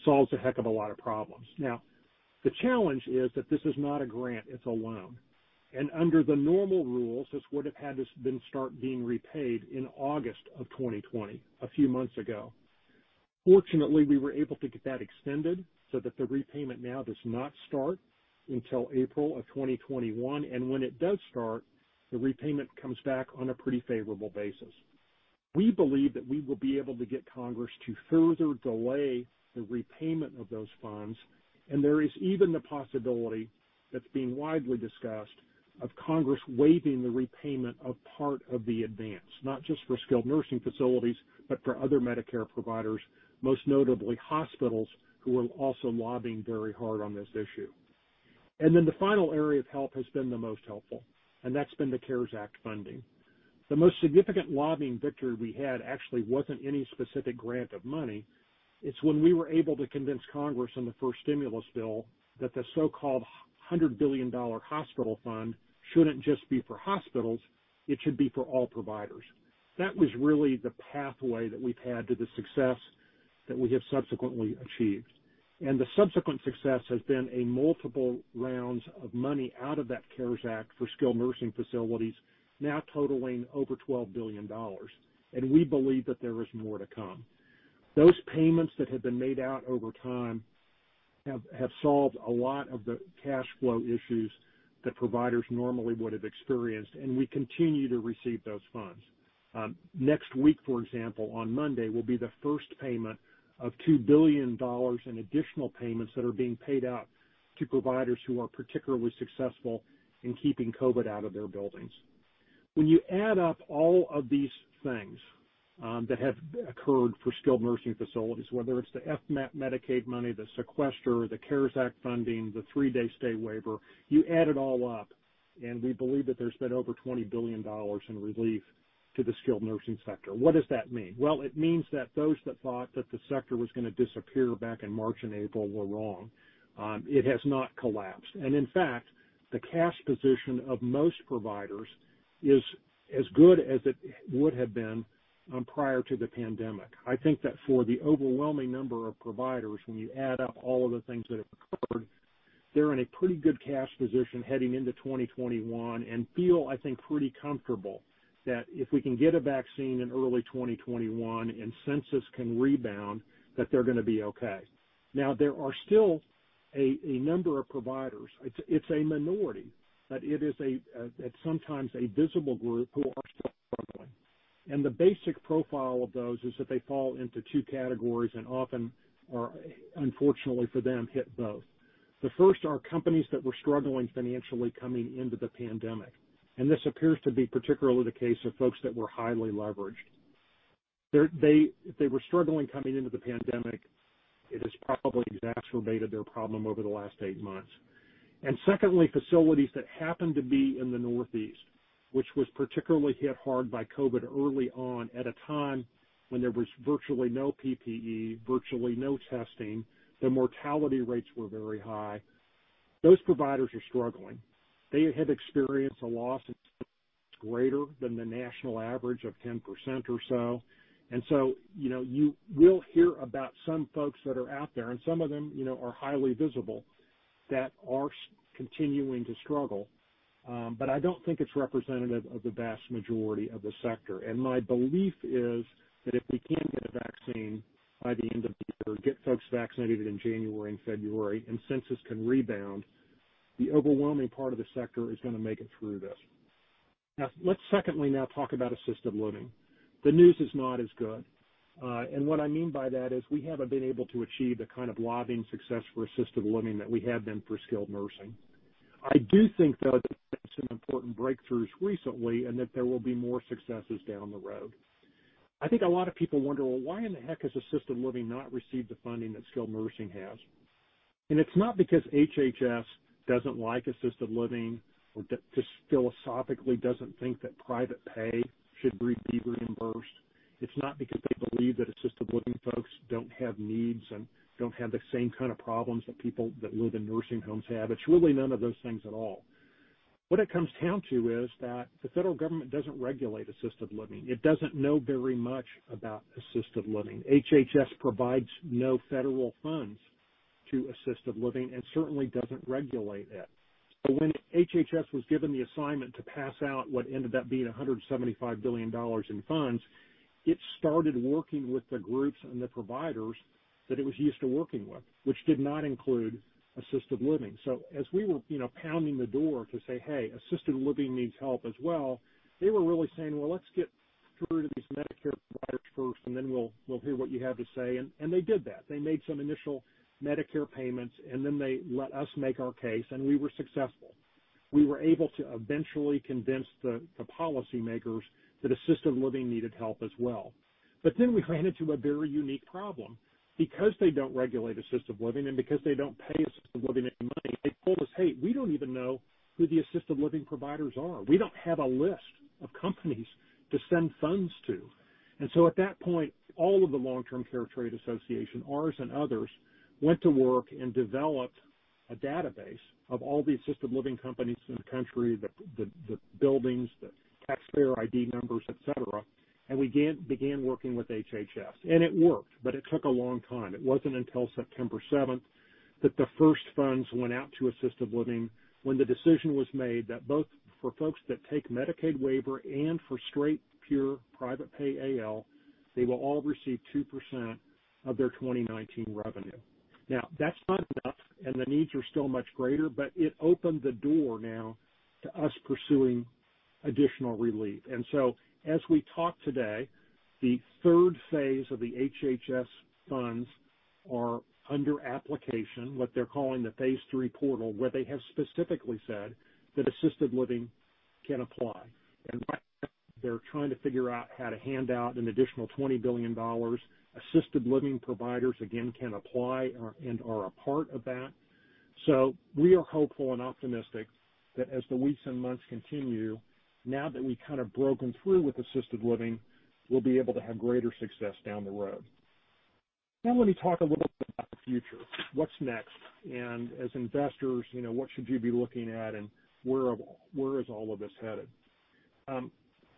solves a heck of a lot of problems. The challenge is that this is not a grant, it's a loan. Under the normal rules, this would have had to then start being repaid in August of 2020, a few months ago. Fortunately, we were able to get that extended so that the repayment now does not start until April of 2021. When it does start, the repayment comes back on a pretty favorable basis. We believe that we will be able to get Congress to further delay the repayment of those funds, and there is even the possibility, that's being widely discussed, of Congress waiving the repayment of part of the advance, not just for skilled nursing facilities, but for other Medicare providers, most notably hospitals, who are also lobbying very hard on this issue. The final area of help has been the most helpful, and that's been the CARES Act funding. The most significant lobbying victory we had actually wasn't any specific grant of money. It's when we were able to convince Congress on the first stimulus bill that the so-called $100 billion hospital fund shouldn't just be for hospitals, it should be for all providers. That was really the pathway that we've had to the success that we have subsequently achieved. The subsequent success has been a multiple rounds of money out of that CARES Act for skilled nursing facilities, now totaling over $12 billion. We believe that there is more to come. Those payments that have been made out over time have solved a lot of the cash flow issues that providers normally would have experienced, and we continue to receive those funds. Next week, for example, on Monday, will be the first payment of $2 billion in additional payments that are being paid out to providers who are particularly successful in keeping COVID out of their buildings. When you add up all of these things that have occurred for skilled nursing facilities, whether it's the FMAP Medicaid money, the sequester, the CARES Act funding, the three day stay waiver, you add it all up, we believe that there's been over $20 billion in relief to the skilled nursing sector. What does that mean? Well, it means that those that thought that the sector was going to disappear back in March and April were wrong. It has not collapsed. In fact, the cash position of most providers is as good as it would have been prior to the pandemic. I think that for the overwhelming number of providers, when you add up all of the things that have occurred, they're in a pretty good cash position heading into 2021 and feel, I think, pretty comfortable that if we can get a vaccine in early 2021 and census can rebound, that they're going to be okay. There are still a number of providers, it's a minority, but it is sometimes a visible group who are still struggling. The basic profile of those is that they fall into two categories and often are, unfortunately for them, hit both. The first are companies that were struggling financially coming into the pandemic, and this appears to be particularly the case of folks that were highly leveraged. If they were struggling coming into the pandemic, it has probably exacerbated their problem over the last eight months. Secondly, facilities that happen to be in the Northeast, which was particularly hit hard by COVID early on at a time when there was virtually no PPE, virtually no testing, the mortality rates were very high. Those providers are struggling. They have experienced a loss greater than the national average of 10% or so. So you will hear about some folks that are out there, and some of them are highly visible, that are continuing to struggle. I don't think it's representative of the vast majority of the sector. My belief is that if we can get a vaccine by the end of the year, get folks vaccinated in January and February, and census can rebound, the overwhelming part of the sector is going to make it through this. Now, let's secondly now talk about assisted living. The news is not as good. What I mean by that is we haven't been able to achieve the kind of lobbying success for assisted living that we have been for skilled nursing. I do think, though, that there's been some important breakthroughs recently and that there will be more successes down the road. I think a lot of people wonder, well, why in the heck has assisted living not received the funding that skilled nursing has? It's not because HHS doesn't like assisted living or just philosophically doesn't think that private pay should be reimbursed. It's not because they believe that assisted living folks don't have needs and don't have the same kind of problems that people that live in nursing homes have. It's really none of those things at all. What it comes down to is that the federal government doesn't regulate assisted living. It doesn't know very much about assisted living. HHS provides no federal funds to assisted living and certainly doesn't regulate it. When HHS was given the assignment to pass out what ended up being $175 billion in funds, it started working with the groups and the providers that it was used to working with, which did not include assisted living. As we were pounding the door to say, "Hey, assisted living needs help as well," they were really saying, "Well, let's get through to these Medicare providers first, and then we'll hear what you have to say." They did that. They made some initial Medicare payments, and then they let us make our case, and we were successful. We were able to eventually convince the policymakers that assisted living needed help as well. We ran into a very unique problem. Because they don't regulate assisted living and because they don't pay assisted living any money, they told us, "Hey, we don't even know who the assisted living providers are. We don't have a list of companies to send funds to." At that point, all of the long-term care trade association, ours and others, went to work and developed a database of all the assisted living companies in the country, the buildings, the taxpayer ID numbers, et cetera, and we began working with HHS. It worked, but it took a long time. It wasn't until September 7th that the first funds went out to assisted living when the decision was made that both for folks that take Medicaid waiver and for straight, pure private pay AL, they will all receive 2% of their 2019 revenue. That's not enough, and the needs are still much greater, but it opened the door now to us pursuing additional relief. As we talk today, the third phase of the HHS funds are under application, what they're calling the phase III portal, where they have specifically said that assisted living can apply. Right now they're trying to figure out how to hand out an additional $20 billion. Assisted living providers, again, can apply and are a part of that. We are hopeful and optimistic that as the weeks and months continue, now that we kind of broken through with assisted living, we'll be able to have greater success down the road. Let me talk a little bit about the future. What's next? As investors, what should you be looking at and where is all of this headed?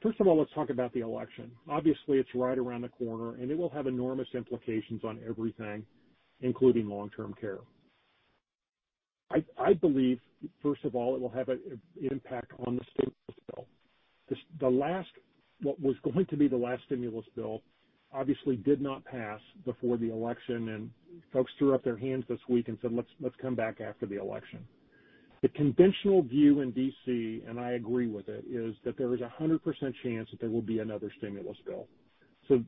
First of all, let's talk about the election. Obviously, it's right around the corner, and it will have enormous implications on everything, including long-term care. I believe, first of all, it will have an impact on the stimulus bill. What was going to be the last stimulus bill obviously did not pass before the election, and folks threw up their hands this week and said, "Let's come back after the election." The conventional view in D.C., and I agree with it, is that there is 100% chance that there will be another stimulus bill.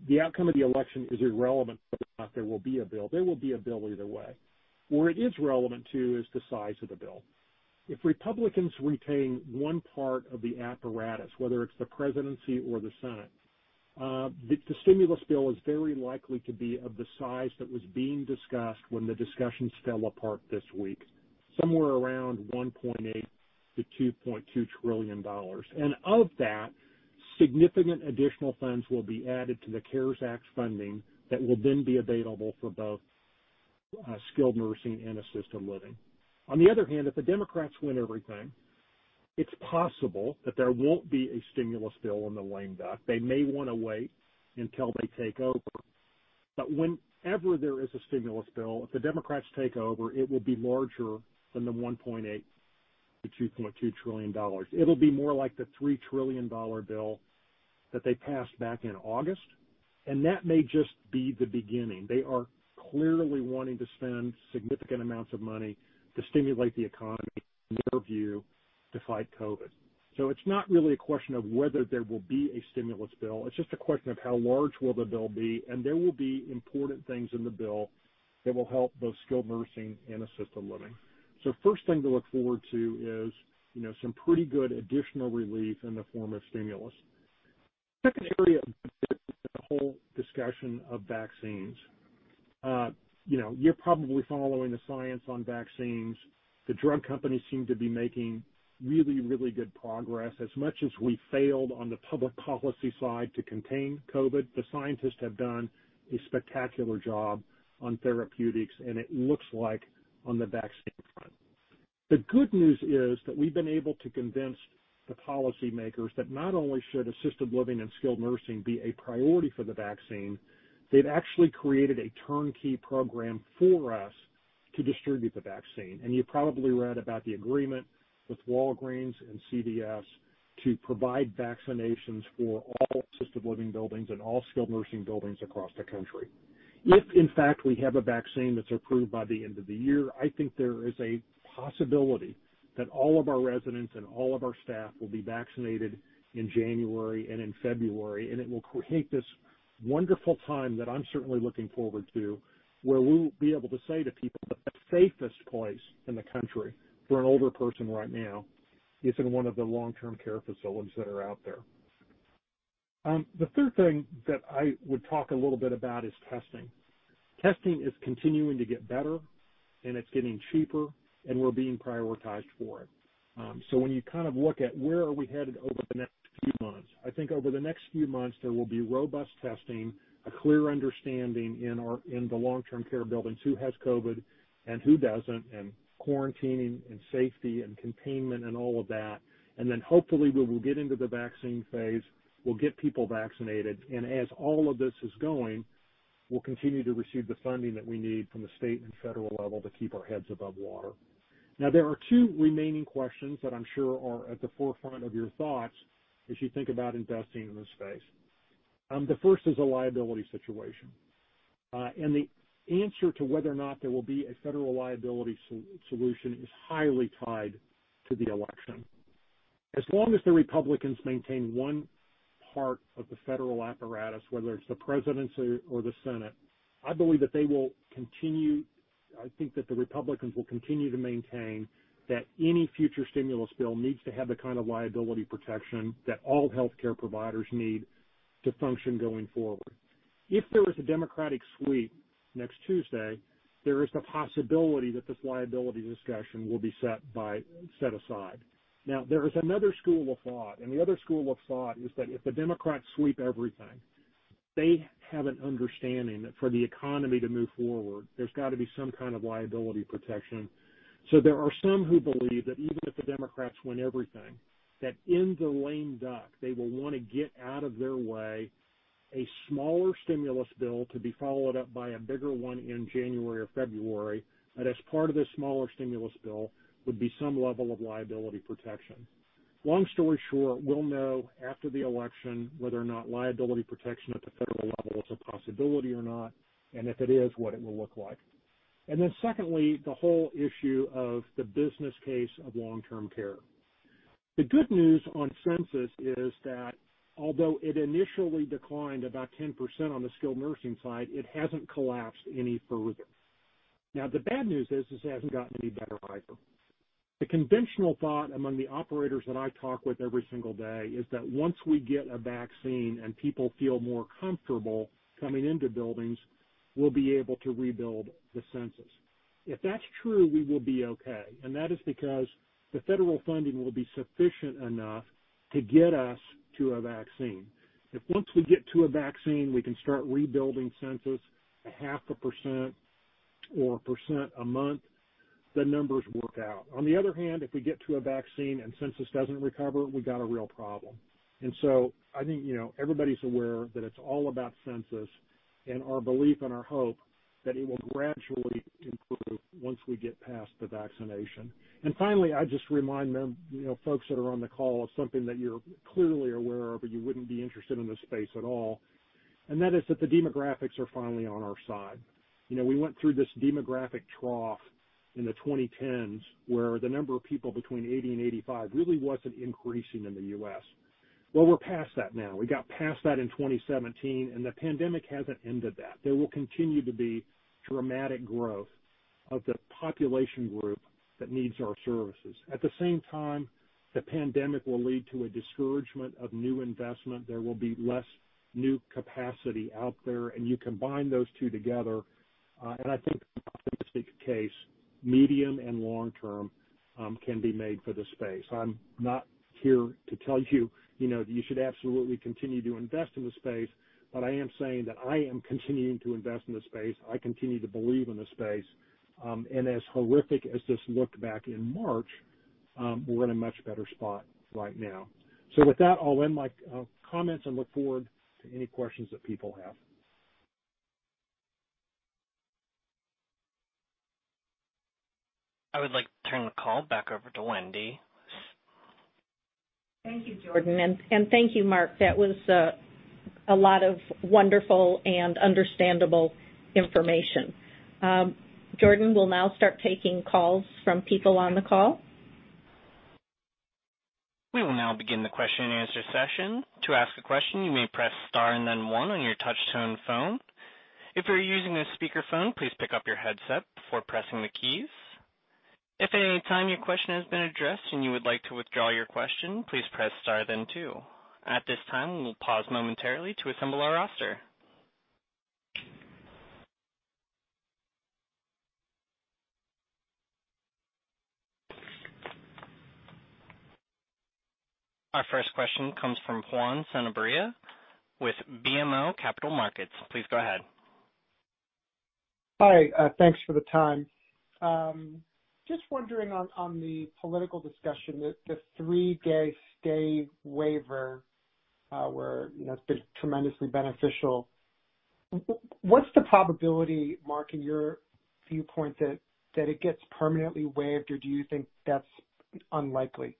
The outcome of the election is irrelevant whether or not there will be a bill. There will be a bill either way. Where it is relevant, too, is the size of the bill. If Republicans retain one part of the apparatus, whether it's the presidency or the Senate, the stimulus bill is very likely to be of the size that was being discussed when the discussions fell apart this week, somewhere around $1.8-$2.2 trillion. Of that, significant additional funds will be added to the CARES Act funding that will then be available for both skilled nursing and assisted living. On the other hand, if the Democrats win everything, it's possible that there won't be a stimulus bill in the lame duck. They may want to wait until they take over. Whenever there is a stimulus bill, if the Democrats take over, it will be larger than the $1.8-$2.2 trillion. It'll be more like the $3 trillion bill that they passed back in August, and that may just be the beginning. They are clearly wanting to spend significant amounts of money to stimulate the economy, in their view, to fight COVID. It's not really a question of whether there will be a stimulus bill, it's just a question of how large will the bill be, and there will be important things in the bill that will help both skilled nursing and assisted living. First thing to look forward to is some pretty good additional relief in the form of stimulus. Second area, the whole discussion of vaccines. You're probably following the science on vaccines. The drug companies seem to be making really good progress. As much as we failed on the public policy side to contain COVID, the scientists have done a spectacular job on therapeutics, and it looks like on the vaccine front. The good news is that we've been able to convince the policymakers that not only should assisted living and skilled nursing be a priority for the vaccine, they've actually created a turnkey program for us to distribute the vaccine. You probably read about the agreement with Walgreens and CVS to provide vaccinations for all assisted living buildings and all skilled nursing buildings across the country. If, in fact, we have a vaccine that's approved by the end of the year, I think there is a possibility that all of our residents and all of our staff will be vaccinated in January and in February, and it will create this wonderful time that I'm certainly looking forward to, where we'll be able to say to people, the safest place in the country for an older person right now is in one of the long-term care facilities that are out there. The third thing that I would talk a little bit about is testing. Testing is continuing to get better, and it's getting cheaper, and we're being prioritized for it. When you look at where are we headed over the next few months, I think over the next few months, there will be robust testing, a clear understanding in the long-term care buildings, who has COVID and who doesn't, and quarantining and safety and containment and all of that. Hopefully we will get into the vaccine phase, we'll get people vaccinated, as all of this is going, we'll continue to receive the funding that we need from the state and federal level to keep our heads above water. There are two remaining questions that I'm sure are at the forefront of your thoughts as you think about investing in this space. The first is a liability situation. The answer to whether or not there will be a federal liability solution is highly tied to the election. As long as the Republicans maintain one part of the federal apparatus, whether it's the presidency or the Senate, I think that the Republicans will continue to maintain that any future stimulus bill needs to have the kind of liability protection that all healthcare providers need to function going forward. If there is a Democratic sweep next Tuesday, there is the possibility that this liability discussion will be set aside. There is another school of thought, the other school of thought is that if the Democrats sweep everything, they have an understanding that for the economy to move forward, there's got to be some kind of liability protection. There are some who believe that even if the Democrats win everything, that in the lame duck, they will want to get out of their way a smaller stimulus bill to be followed up by a bigger one in January or February, that as part of this smaller stimulus bill would be some level of liability protection. Long story short, we'll know after the election whether or not liability protection at the federal level is a possibility or not, and if it is, what it will look like. Secondly, the whole issue of the business case of long-term care. The good news on census is that although it initially declined about 10% on the skilled nursing side, it hasn't collapsed any further. The bad news is this hasn't gotten any better either. The conventional thought among the operators that I talk with every single day is that once we get a vaccine and people feel more comfortable coming into buildings, we'll be able to rebuild the census. If that's true, we will be okay, and that is because the federal funding will be sufficient enough to get us to a vaccine. If once we get to a vaccine, we can start rebuilding census at half a percent or a percent a month, the numbers work out. On the other hand, if we get to a vaccine and census doesn't recover, we got a real problem. I think everybody's aware that it's all about census and our belief and our hope that it will gradually improve once we get past the vaccination. Finally, I just remind folks that are on the call of something that you're clearly aware of, or you wouldn't be interested in this space at all, and that is that the demographics are finally on our side. We went through this demographic trough in the 2010s, where the number of people between 80 and 85 really wasn't increasing in the U.S. Well, we're past that now. We got past that in 2017. The pandemic hasn't ended that. There will continue to be dramatic growth of the population group that needs our services. At the same time, the pandemic will lead to a discouragement of new investment. There will be less new capacity out there. You combine those two together, and I think an optimistic case, medium and long term, can be made for this space. I'm not here to tell you that you should absolutely continue to invest in this space. I am saying that I am continuing to invest in this space. I continue to believe in this space. As horrific as this looked back in March. We're in a much better spot right now. With that, I'll end my comments and look forward to any questions that people have. I would like to turn the call back over to Wendy. Thank you, Jordan, and thank you, Mark. That was a lot of wonderful and understandable information. Jordan, we'll now start taking calls from people on the call. We will now begin the question and answer session. At this time, we will pause momentarily to assemble our roster. Our first question comes from Juan Sanabria with BMO Capital Markets. Please go ahead. Hi. Thanks for the time. Just wondering on the political discussion, the three-day stay waiver where it's been tremendously beneficial. What's the probability, Mark, in your viewpoint, that it gets permanently waived, or do you think that's unlikely?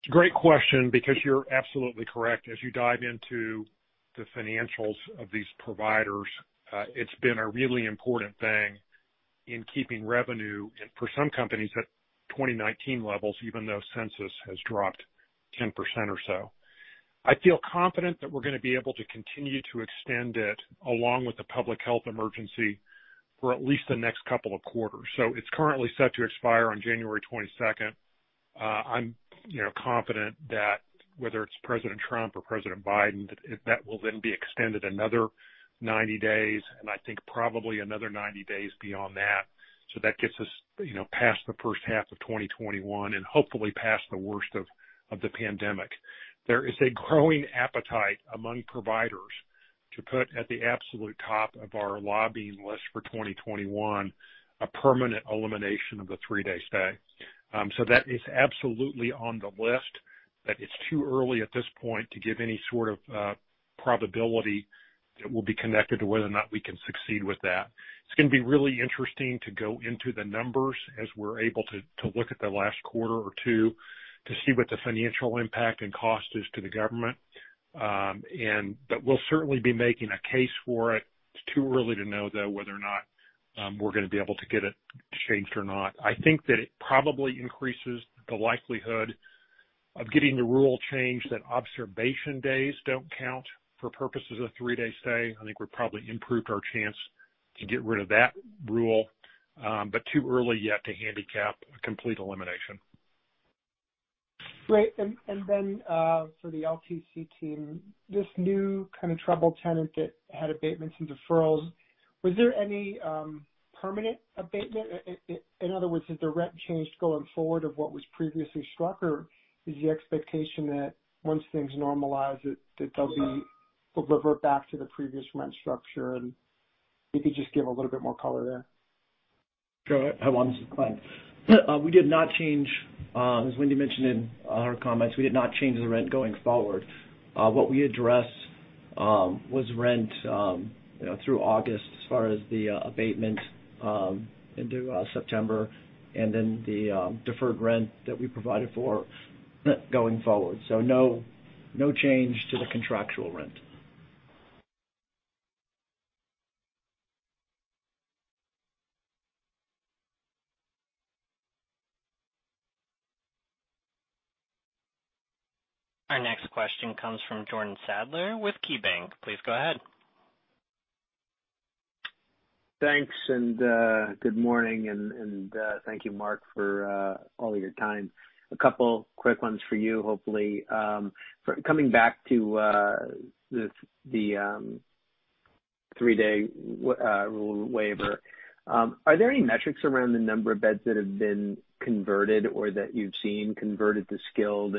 It's a great question because you're absolutely correct. As you dive into the financials of these providers, it's been a really important thing in keeping revenue, and for some companies, at 2019 levels, even though census has dropped 10% or so. I feel confident that we're going to be able to continue to extend it along with the public health emergency for at least the next couple of quarters. It's currently set to expire on January 22nd. I'm confident that whether it's President Trump or President Biden, that will then be extended another 90 days, and I think probably another 90 days beyond that. That gets us past the first half of 2021 and hopefully past the worst of the pandemic. There is a growing appetite among providers to put at the absolute top of our lobbying list for 2021 a permanent elimination of the three-day stay. That is absolutely on the list, but it's too early at this point to give any sort of probability that will be connected to whether or not we can succeed with that. It's going to be really interesting to go into the numbers as we're able to look at the last quarter or two to see what the financial impact and cost is to the government. We'll certainly be making a case for it. It's too early to know, though, whether or not we're going to be able to get it changed or not. I think that it probably increases the likelihood of getting the rule changed that observation days don't count for purposes of three-day stay. I think we probably improved our chance to get rid of that rule. Too early yet to handicap a complete elimination. Great. For the LTC team, this new kind of troubled tenant that had abatements and deferrals, was there any permanent abatement? In other words, has the rent changed going forward of what was previously struck, or is the expectation that once things normalize that they'll be delivered back to the previous rent structure? If you could just give a little bit more color there. Sure. Hi, Juan. This is Glint. As Wendy mentioned in her comments, we did not change the rent going forward. What we addressed was rent through August as far as the abatement into September and then the deferred rent that we provided for going forward. No change to the contractual rent. Our next question comes from Jordan Sadler with KeyBanc. Please go ahead. Thanks, good morning, and thank you, Mark, for all your time. A couple quick ones for you, hopefully. Coming back to the three-day rule waiver. Are there any metrics around the number of beds that have been converted or that you've seen converted to skilled?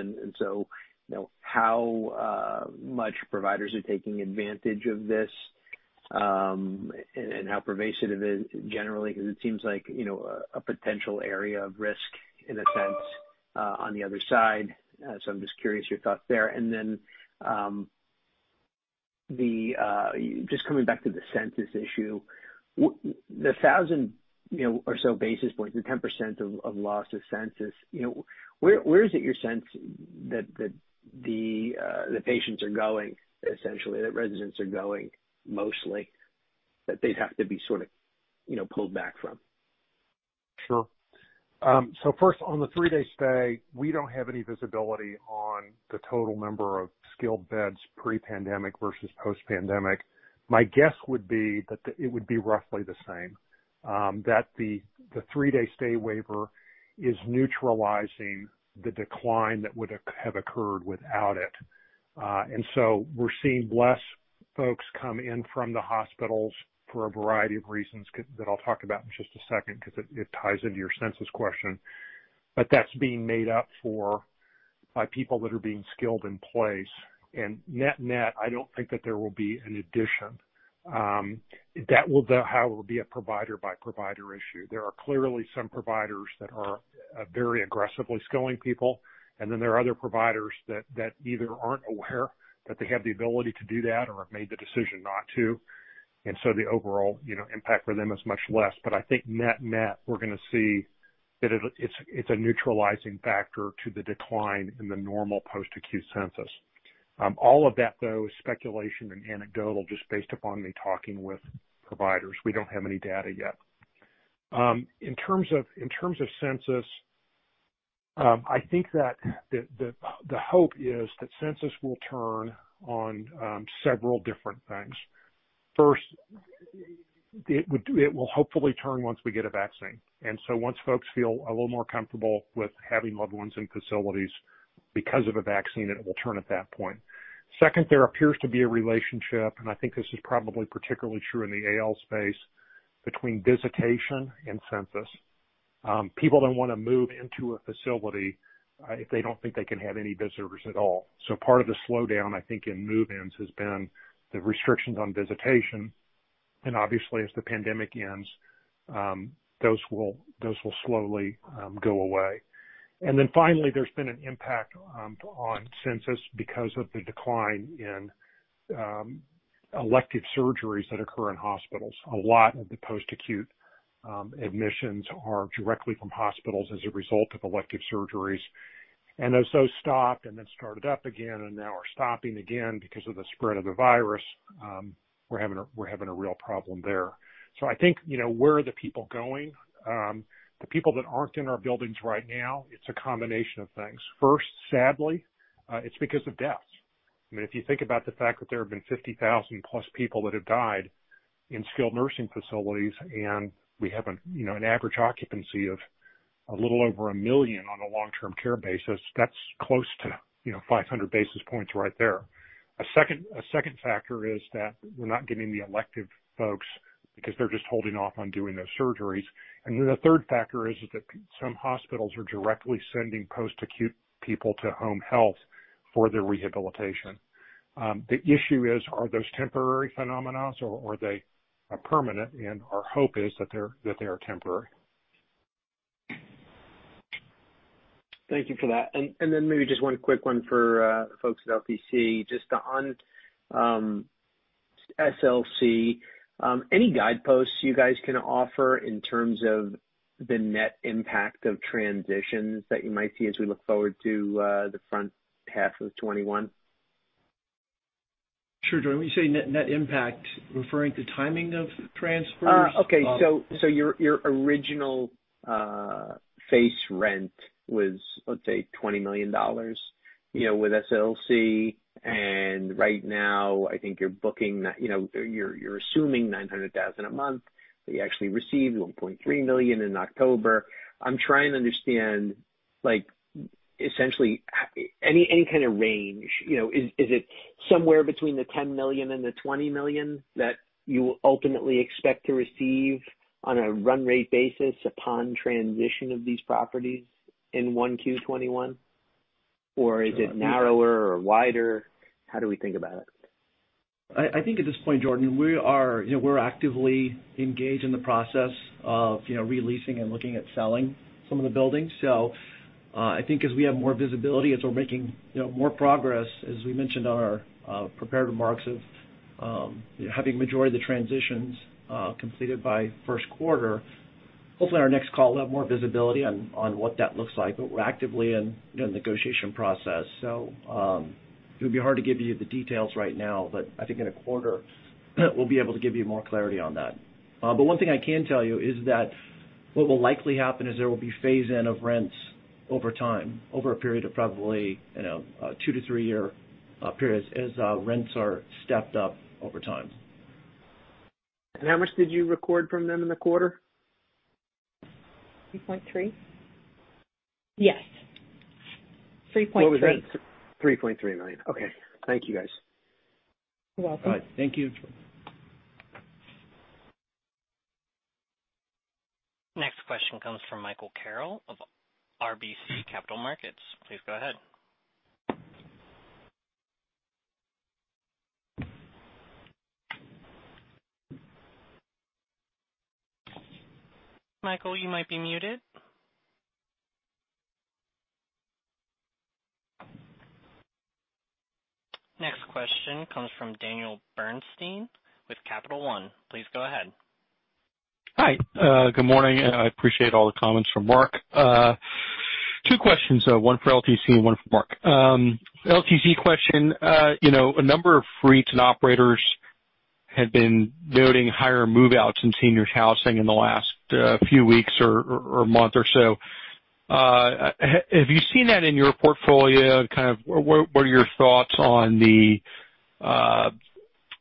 How much providers are taking advantage of this, and how pervasive it is generally? Because it seems like a potential area of risk in a sense on the other side. I'm just curious your thoughts there. Just coming back to the census issue. The 1,000 or so basis points or 10% of loss of census, where is it your sense that the patients are going essentially, that residents are going mostly, that they'd have to be sort of pulled back from? Sure. First, on the three-day stay, we don't have any visibility on the total number of skilled beds pre-pandemic versus post-pandemic. My guess would be that it would be roughly the same, that the three day stay waiver is neutralizing the decline that would have occurred without it. We're seeing less folks come in from the hospitals for a variety of reasons that I'll talk about in just a second, because it ties into your census question. That's being made up for by people that are being skilled in place. Net-net, I don't think that there will be an addition. That will be a provider by provider issue. There are clearly some providers that are very aggressively skilling people, there are other providers that either aren't aware that they have the ability to do that or have made the decision not to. The overall impact for them is much less. I think net-net, we're going to see that it's a neutralizing factor to the decline in the normal post-acute census. All of that, though, is speculation and anecdotal, just based upon me talking with providers. We don't have any data yet. In terms of census, I think that the hope is that census will turn on several different things. First, it will hopefully turn once we get a vaccine. Once folks feel a little more comfortable with having loved ones in facilities because of a vaccine, it will turn at that point. Second, there appears to be a relationship, and I think this is probably particularly true in the AL space, between visitation and census. People don't want to move into a facility if they don't think they can have any visitors at all. Part of the slowdown, I think, in move-ins has been the restrictions on visitation. Obviously, as the pandemic ends, those will slowly go away. Finally, there's been an impact on census because of the decline in elective surgeries that occur in hospitals. A lot of the post-acute admissions are directly from hospitals as a result of elective surgeries. Those stopped and then started up again and now are stopping again because of the spread of the virus. We're having a real problem there. I think, where are the people going? The people that aren't in our buildings right now, it's a combination of things. First, sadly, it's because of deaths. If you think about the fact that there have been 50,000+ people that have died in skilled nursing facilities, and we have an average occupancy of a little over 1 million on a long-term care basis, that's close to 500 basis points right there. A second factor is that we're not getting the elective folks because they're just holding off on doing those surgeries. The third factor is that some hospitals are directly sending post-acute people to home health for their rehabilitation. The issue is, are those temporary phenomena or are they permanent? Our hope is that they are temporary. Thank you for that. Maybe just one quick one for folks at LTC, just on SLC. Any guideposts you guys can offer in terms of the net impact of transitions that you might see as we look forward to the front half of 2021? Sure, Jordan. When you say net impact, referring to timing of transfers? Okay. Your original face rent was, let's say, $20 million with SLC, and right now, I think you're assuming $900,000 a month, but you actually received $1.3 million in October. I'm trying to understand essentially any kind of range. Is it somewhere between the $10 million and the $20 million that you ultimately expect to receive on a run rate basis upon transition of these properties in 1Q 2021? Is it narrower or wider? How do we think about it? I think at this point, Jordan, we're actively engaged in the process of re-leasing and looking at selling some of the buildings. I think as we have more visibility, as we're making more progress, as we mentioned on our prepared remarks of having majority of the transitions completed by first quarter, hopefully our next call will have more visibility on what that looks like. We're actively in negotiation process, so it would be hard to give you the details right now, but I think in a quarter we'll be able to give you more clarity on that. One thing I can tell you is that what will likely happen is there will be phase in of rents over time, over a period of probably two to three year periods as rents are stepped up over time. How much did you record from them in the quarter? 3.3. Yes. 3.3. $3.3 million. Okay. Thank you, guys. You're welcome. All right. Thank you. Next question comes from Michael Carroll of RBC Capital Markets. Please go ahead. Michael, you might be muted. Next question comes from Daniel Bernstein with Capital One. Please go ahead. Hi. Good morning. I appreciate all the comments from Mark. Two questions, one for LTC and one for Mark. LTC question. A number of REITs and operators have been noting higher move-outs in seniors housing in the last few weeks or month or so. Have you seen that in your portfolio? What are your thoughts on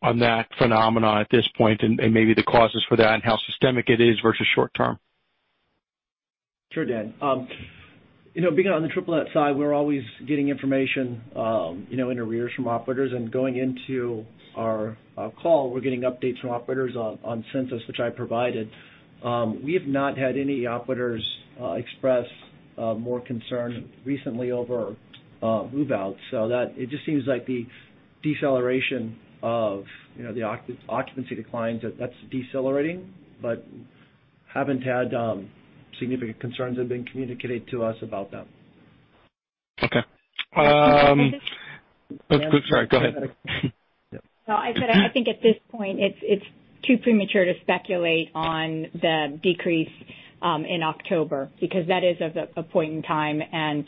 that phenomenon at this point and maybe the causes for that and how systemic it is versus short-term? Sure, Dan. Being on the triple net side, we're always getting information in arrears from operators. Going into our call, we're getting updates from operators on census, which I provided. We have not had any operators express more concern recently over move-outs. It just seems like the occupancy declines, that's decelerating, but haven't had significant concerns have been communicated to us about that. Okay. Can I say something? Sorry, go ahead. I said I think at this point, it's too premature to speculate on the decrease in October, because that is at a point in time, and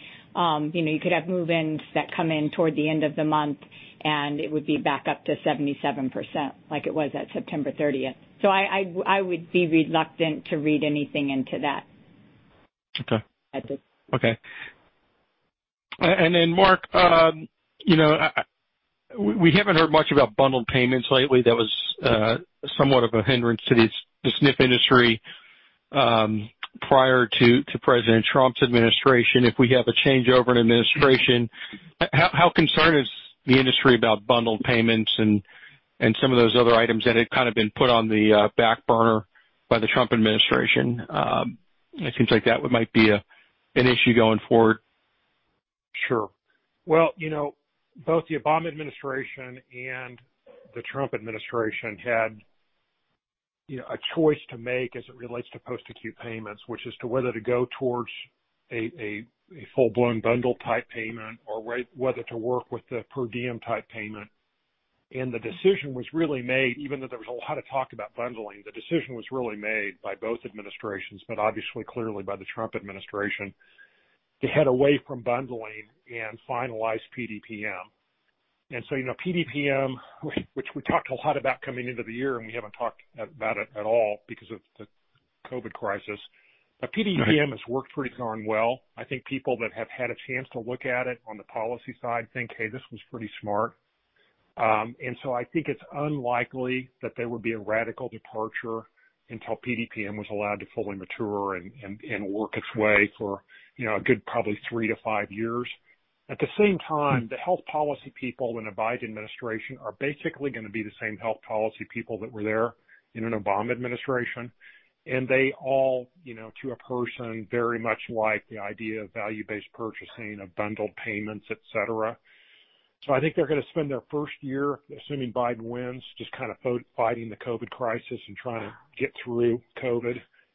you could have move-ins that come in toward the end of the month, and it would be back up to 77% like it was at September 30th. I would be reluctant to read anything into that. Okay. At this point. Okay. Mark, we haven't heard much about bundled payments lately. That was somewhat of a hindrance to the SNF industry prior to President Trump's administration. If we have a changeover in administration, how concerned is the industry about bundled payments and some of those other items that had kind of been put on the back burner by the Trump administration? It seems like that might be an issue going forward. Sure. Well, both the Obama administration and the Trump administration had a choice to make as it relates to post-acute payments, which is to whether to go towards a full-blown bundle type payment or whether to work with the per diem type payment. Even though there was a lot of talk about bundling, the decision was really made by both administrations, but obviously, clearly by the Trump administration, to head away from bundling and finalize PDPM. PDPM, which we talked a lot about coming into the year, and we haven't talked about it at all because of the COVID crisis. PDPM has worked pretty darn well. I think people that have had a chance to look at it on the policy side think, "Hey, this was pretty smart." I think it's unlikely that there would be a radical departure until PDPM was allowed to fully mature and work its way for a good probably three to five years. At the same time, the health policy people in a Biden administration are basically going to be the same health policy people that were there in an Obama administration. They all, to a person, very much like the idea of value-based purchasing of bundled payments, et cetera. I think they're going to spend their first year, assuming Biden wins, just kind of fighting the COVID-19 crisis and trying to get through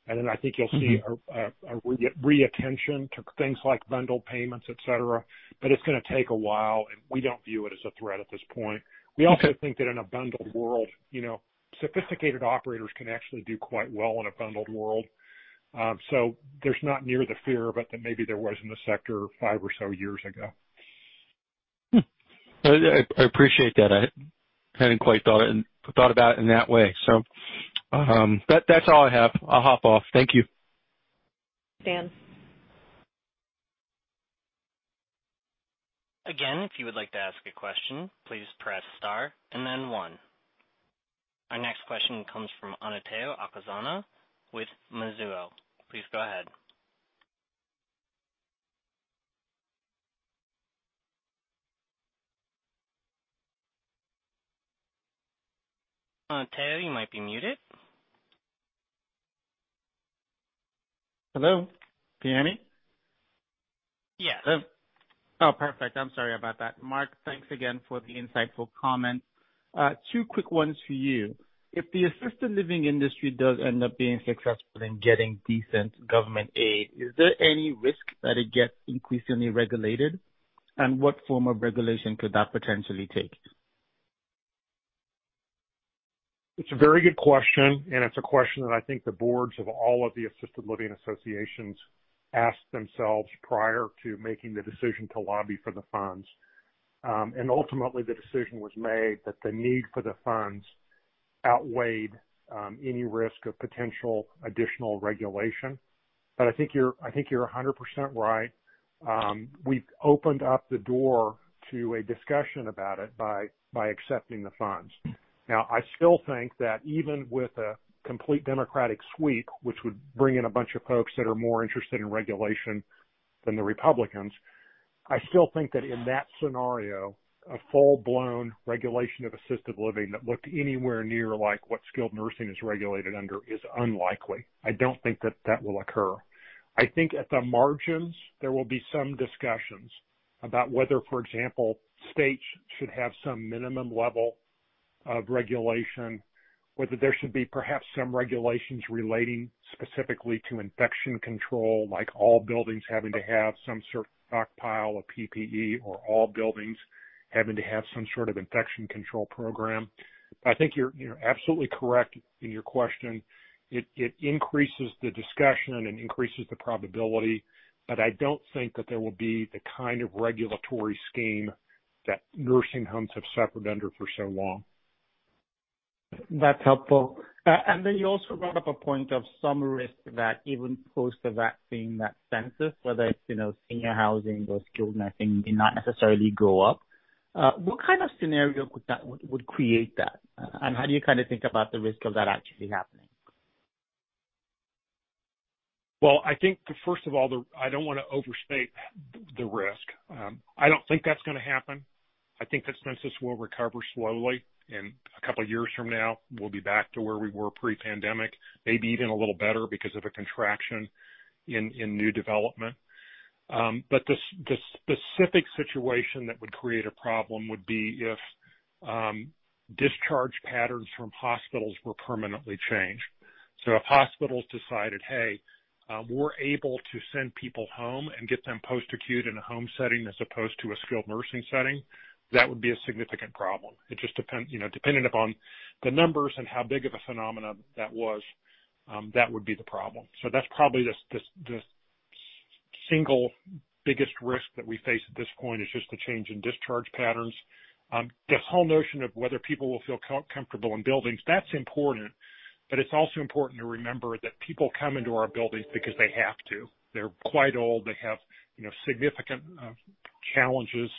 COVID-19. I think you'll see a re-attention to things like bundled payments, et cetera. It's going to take a while, and we don't view it as a threat at this point. We also think that in a bundled world, sophisticated operators can actually do quite well in a bundled world. There's not near the fear that maybe there was in the sector five or so years ago. I appreciate that. I hadn't quite thought about it in that way. That's all I have. I'll hop off. Thank you. Thanks. Again, if you would like to ask a question, please Press Star and then one. Our next question comes from Omotayo Okusanya with Mizuho. Please go ahead. Omotayo, you might be muted. Hello, can you hear me? Yes. Oh, perfect. I'm sorry about that. Mark, thanks again for the insightful comments. Two quick ones for you. If the assisted living industry does end up being successful in getting decent government aid, is there any risk that it gets increasingly regulated? What form of regulation could that potentially take? It's a very good question, and it's a question that I think the boards of all of the assisted living associations asked themselves prior to making the decision to lobby for the funds. Ultimately, the decision was made that the need for the funds outweighed any risk of potential additional regulation. I think you're 100% right. We've opened up the door to a discussion about it by accepting the funds. I still think that even with a complete Democratic sweep, which would bring in a bunch of folks that are more interested in regulation than the Republicans, I still think that in that scenario, a full-blown regulation of assisted living that looked anywhere near like what skilled nursing is regulated under is unlikely. I don't think that that will occur. I think at the margins, there will be some discussions about whether, for example, states should have some minimum level of regulation, whether there should be perhaps some regulations relating specifically to infection control, like all buildings having to have some sort of stockpile of PPE or all buildings having to have some sort of infection control program. I think you're absolutely correct in your question. It increases the discussion and increases the probability, but I don't think that there will be the kind of regulatory scheme that nursing homes have suffered under for so long. That's helpful. Then you also brought up a point of some risk that even post the vaccine, that census, whether it's senior housing or skilled nursing, may not necessarily go up. What kind of scenario would create that? How do you think about the risk of that actually happening? I think, first of all, I don't want to overstate the risk. I don't think that's going to happen. I think that census will recover slowly, and a couple of years from now, we'll be back to where we were pre-pandemic, maybe even a little better because of a contraction in new development. The specific situation that would create a problem would be if discharge patterns from hospitals were permanently changed. If hospitals decided, "Hey, we're able to send people home and get them post-acute in a home setting as opposed to a skilled nursing setting," that would be a significant problem. Depending upon the numbers and how big of a phenomenon that was, that would be the problem. That's probably the single biggest risk that we face at this point, is just the change in discharge patterns. The whole notion of whether people will feel comfortable in buildings, that's important. It's also important to remember that people come into our buildings because they have to. They're quite old, they have significant challenges,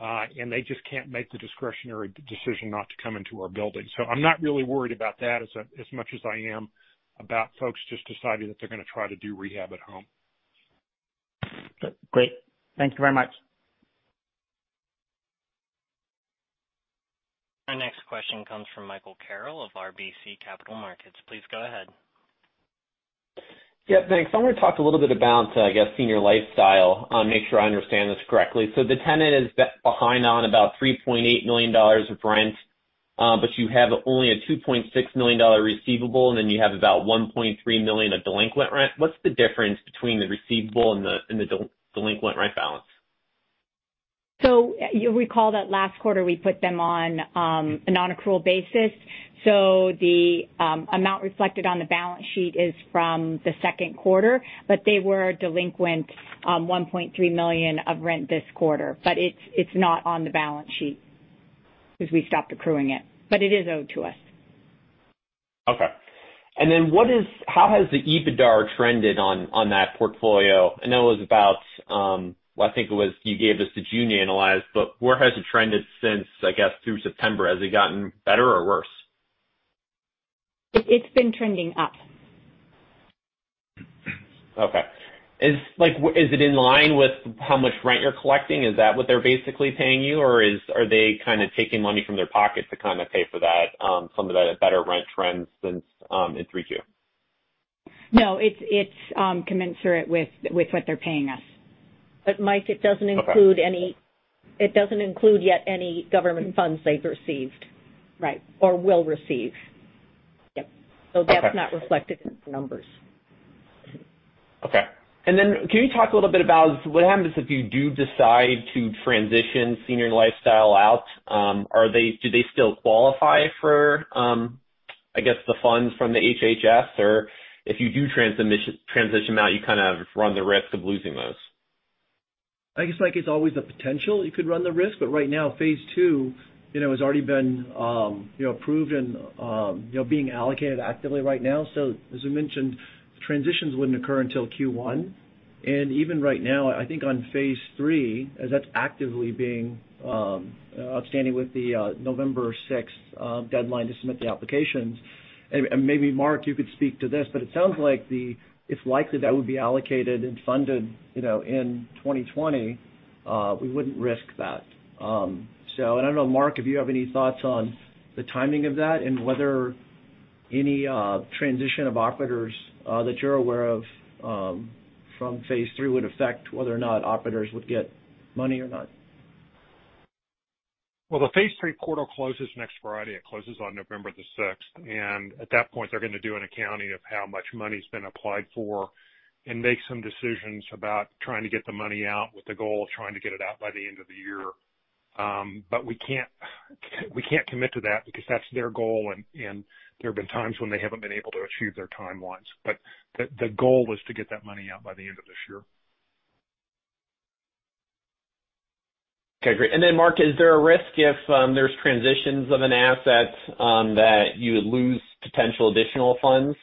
and they just can't make the discretionary decision not to come into our buildings. I'm not really worried about that as much as I am about folks just deciding that they're going to try to do rehab at home. Great. Thank you very much. Our next question comes from Michael Carroll of RBC Capital Markets. Please go ahead. Yeah, thanks. I want to talk a little bit about, I guess, Senior Lifestyle, make sure I understand this correctly. The tenant is behind on about $3.8 million of rent, but you have only a $2.6 million receivable, and then you have about $1.3 million of delinquent rent. What's the difference between the receivable and the delinquent rent balance? You'll recall that last quarter we put them on a non-accrual basis. The amount reflected on the balance sheet is from the second quarter, but they were delinquent $1.3 million of rent this quarter. It's not on the balance sheet because we stopped accruing it. It is owed to us. Okay. How has the EBITDA trended on that portfolio? I know it was about, well, I think it was you gave us the June analyze, but where has it trended since, I guess, through September? Has it gotten better or worse? It's been trending up. Okay. Is it in line with how much rent you're collecting? Is that what they're basically paying you, or are they kind of taking money from their pocket to pay for that, some of the better rent trends since in 3Q? No, it's commensurate with what they're paying us. Mike, it doesn't include yet any government funds they've received. Right. Will receive. Yep. Okay. That's not reflected in the numbers. Okay. Can you talk a little bit about what happens if you do decide to transition Senior Lifestyle out? Do they still qualify for, I guess, the funds from the HHS? If you do transition them out, you kind of run the risk of losing those? I guess, Mike, it's always a potential you could run the risk. Right now, phase two has already been approved and being allocated actively right now. As we mentioned, transitions wouldn't occur until Q1. Even right now, I think on phase three, as that's actively outstanding with the November 6th deadline to submit the applications, and maybe Mark, you could speak to this, but it sounds like it's likely that would be allocated and funded in 2020. We wouldn't risk that. I don't know, Mark, if you have any thoughts on the timing of that and whether any transition of operators that you're aware of from phase three would affect whether or not operators would get money or not. Well, the phase III portal closes next Friday. It closes on November the 6th, and at that point, they're going to do an accounting of how much money's been applied for and make some decisions about trying to get the money out with the goal of trying to get it out by the end of the year. We can't commit to that because that's their goal, and there have been times when they haven't been able to achieve their timelines. The goal was to get that money out by the end of this year. Okay, great. Mark, is there a risk if there's transitions of an asset that you would lose potential additional funds?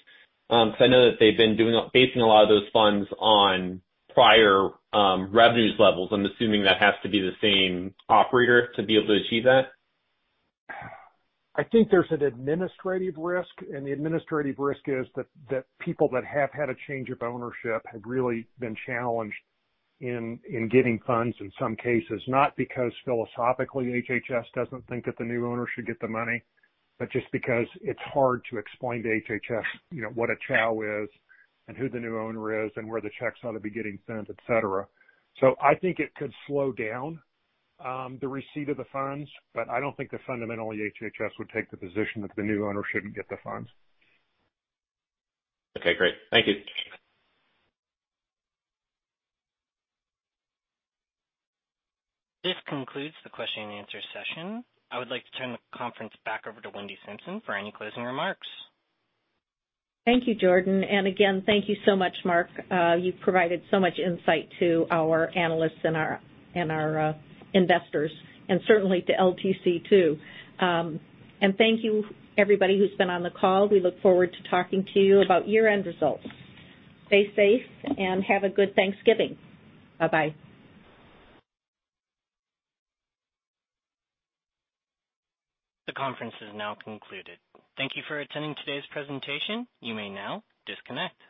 I know that they've been basing a lot of those funds on prior revenue levels. I'm assuming that has to be the same operator to be able to achieve that. I think there's an administrative risk, and the administrative risk is that people that have had a change of ownership have really been challenged in getting funds in some cases, not because philosophically, HHS doesn't think that the new owner should get the money, but just because it's hard to explain to HHS what a CHOW is and who the new owner is and where the checks ought to be getting sent, et cetera. I think it could slow down the receipt of the funds, but I don't think that fundamentally HHS would take the position that the new owner shouldn't get the funds. Okay, great. Thank you. This concludes the question and answer session. I would like to turn the conference back over to Wendy Simpson for any closing remarks. Thank you, Jordan. Again, thank you so much, Mark. You've provided so much insight to our analysts and our investors, and certainly to LTC too. Thank you everybody who's been on the call. We look forward to talking to you about year-end results. Stay safe and have a good Thanksgiving. Bye-bye. The conference is now concluded. Thank you for attending today's presentation. You may now disconnect.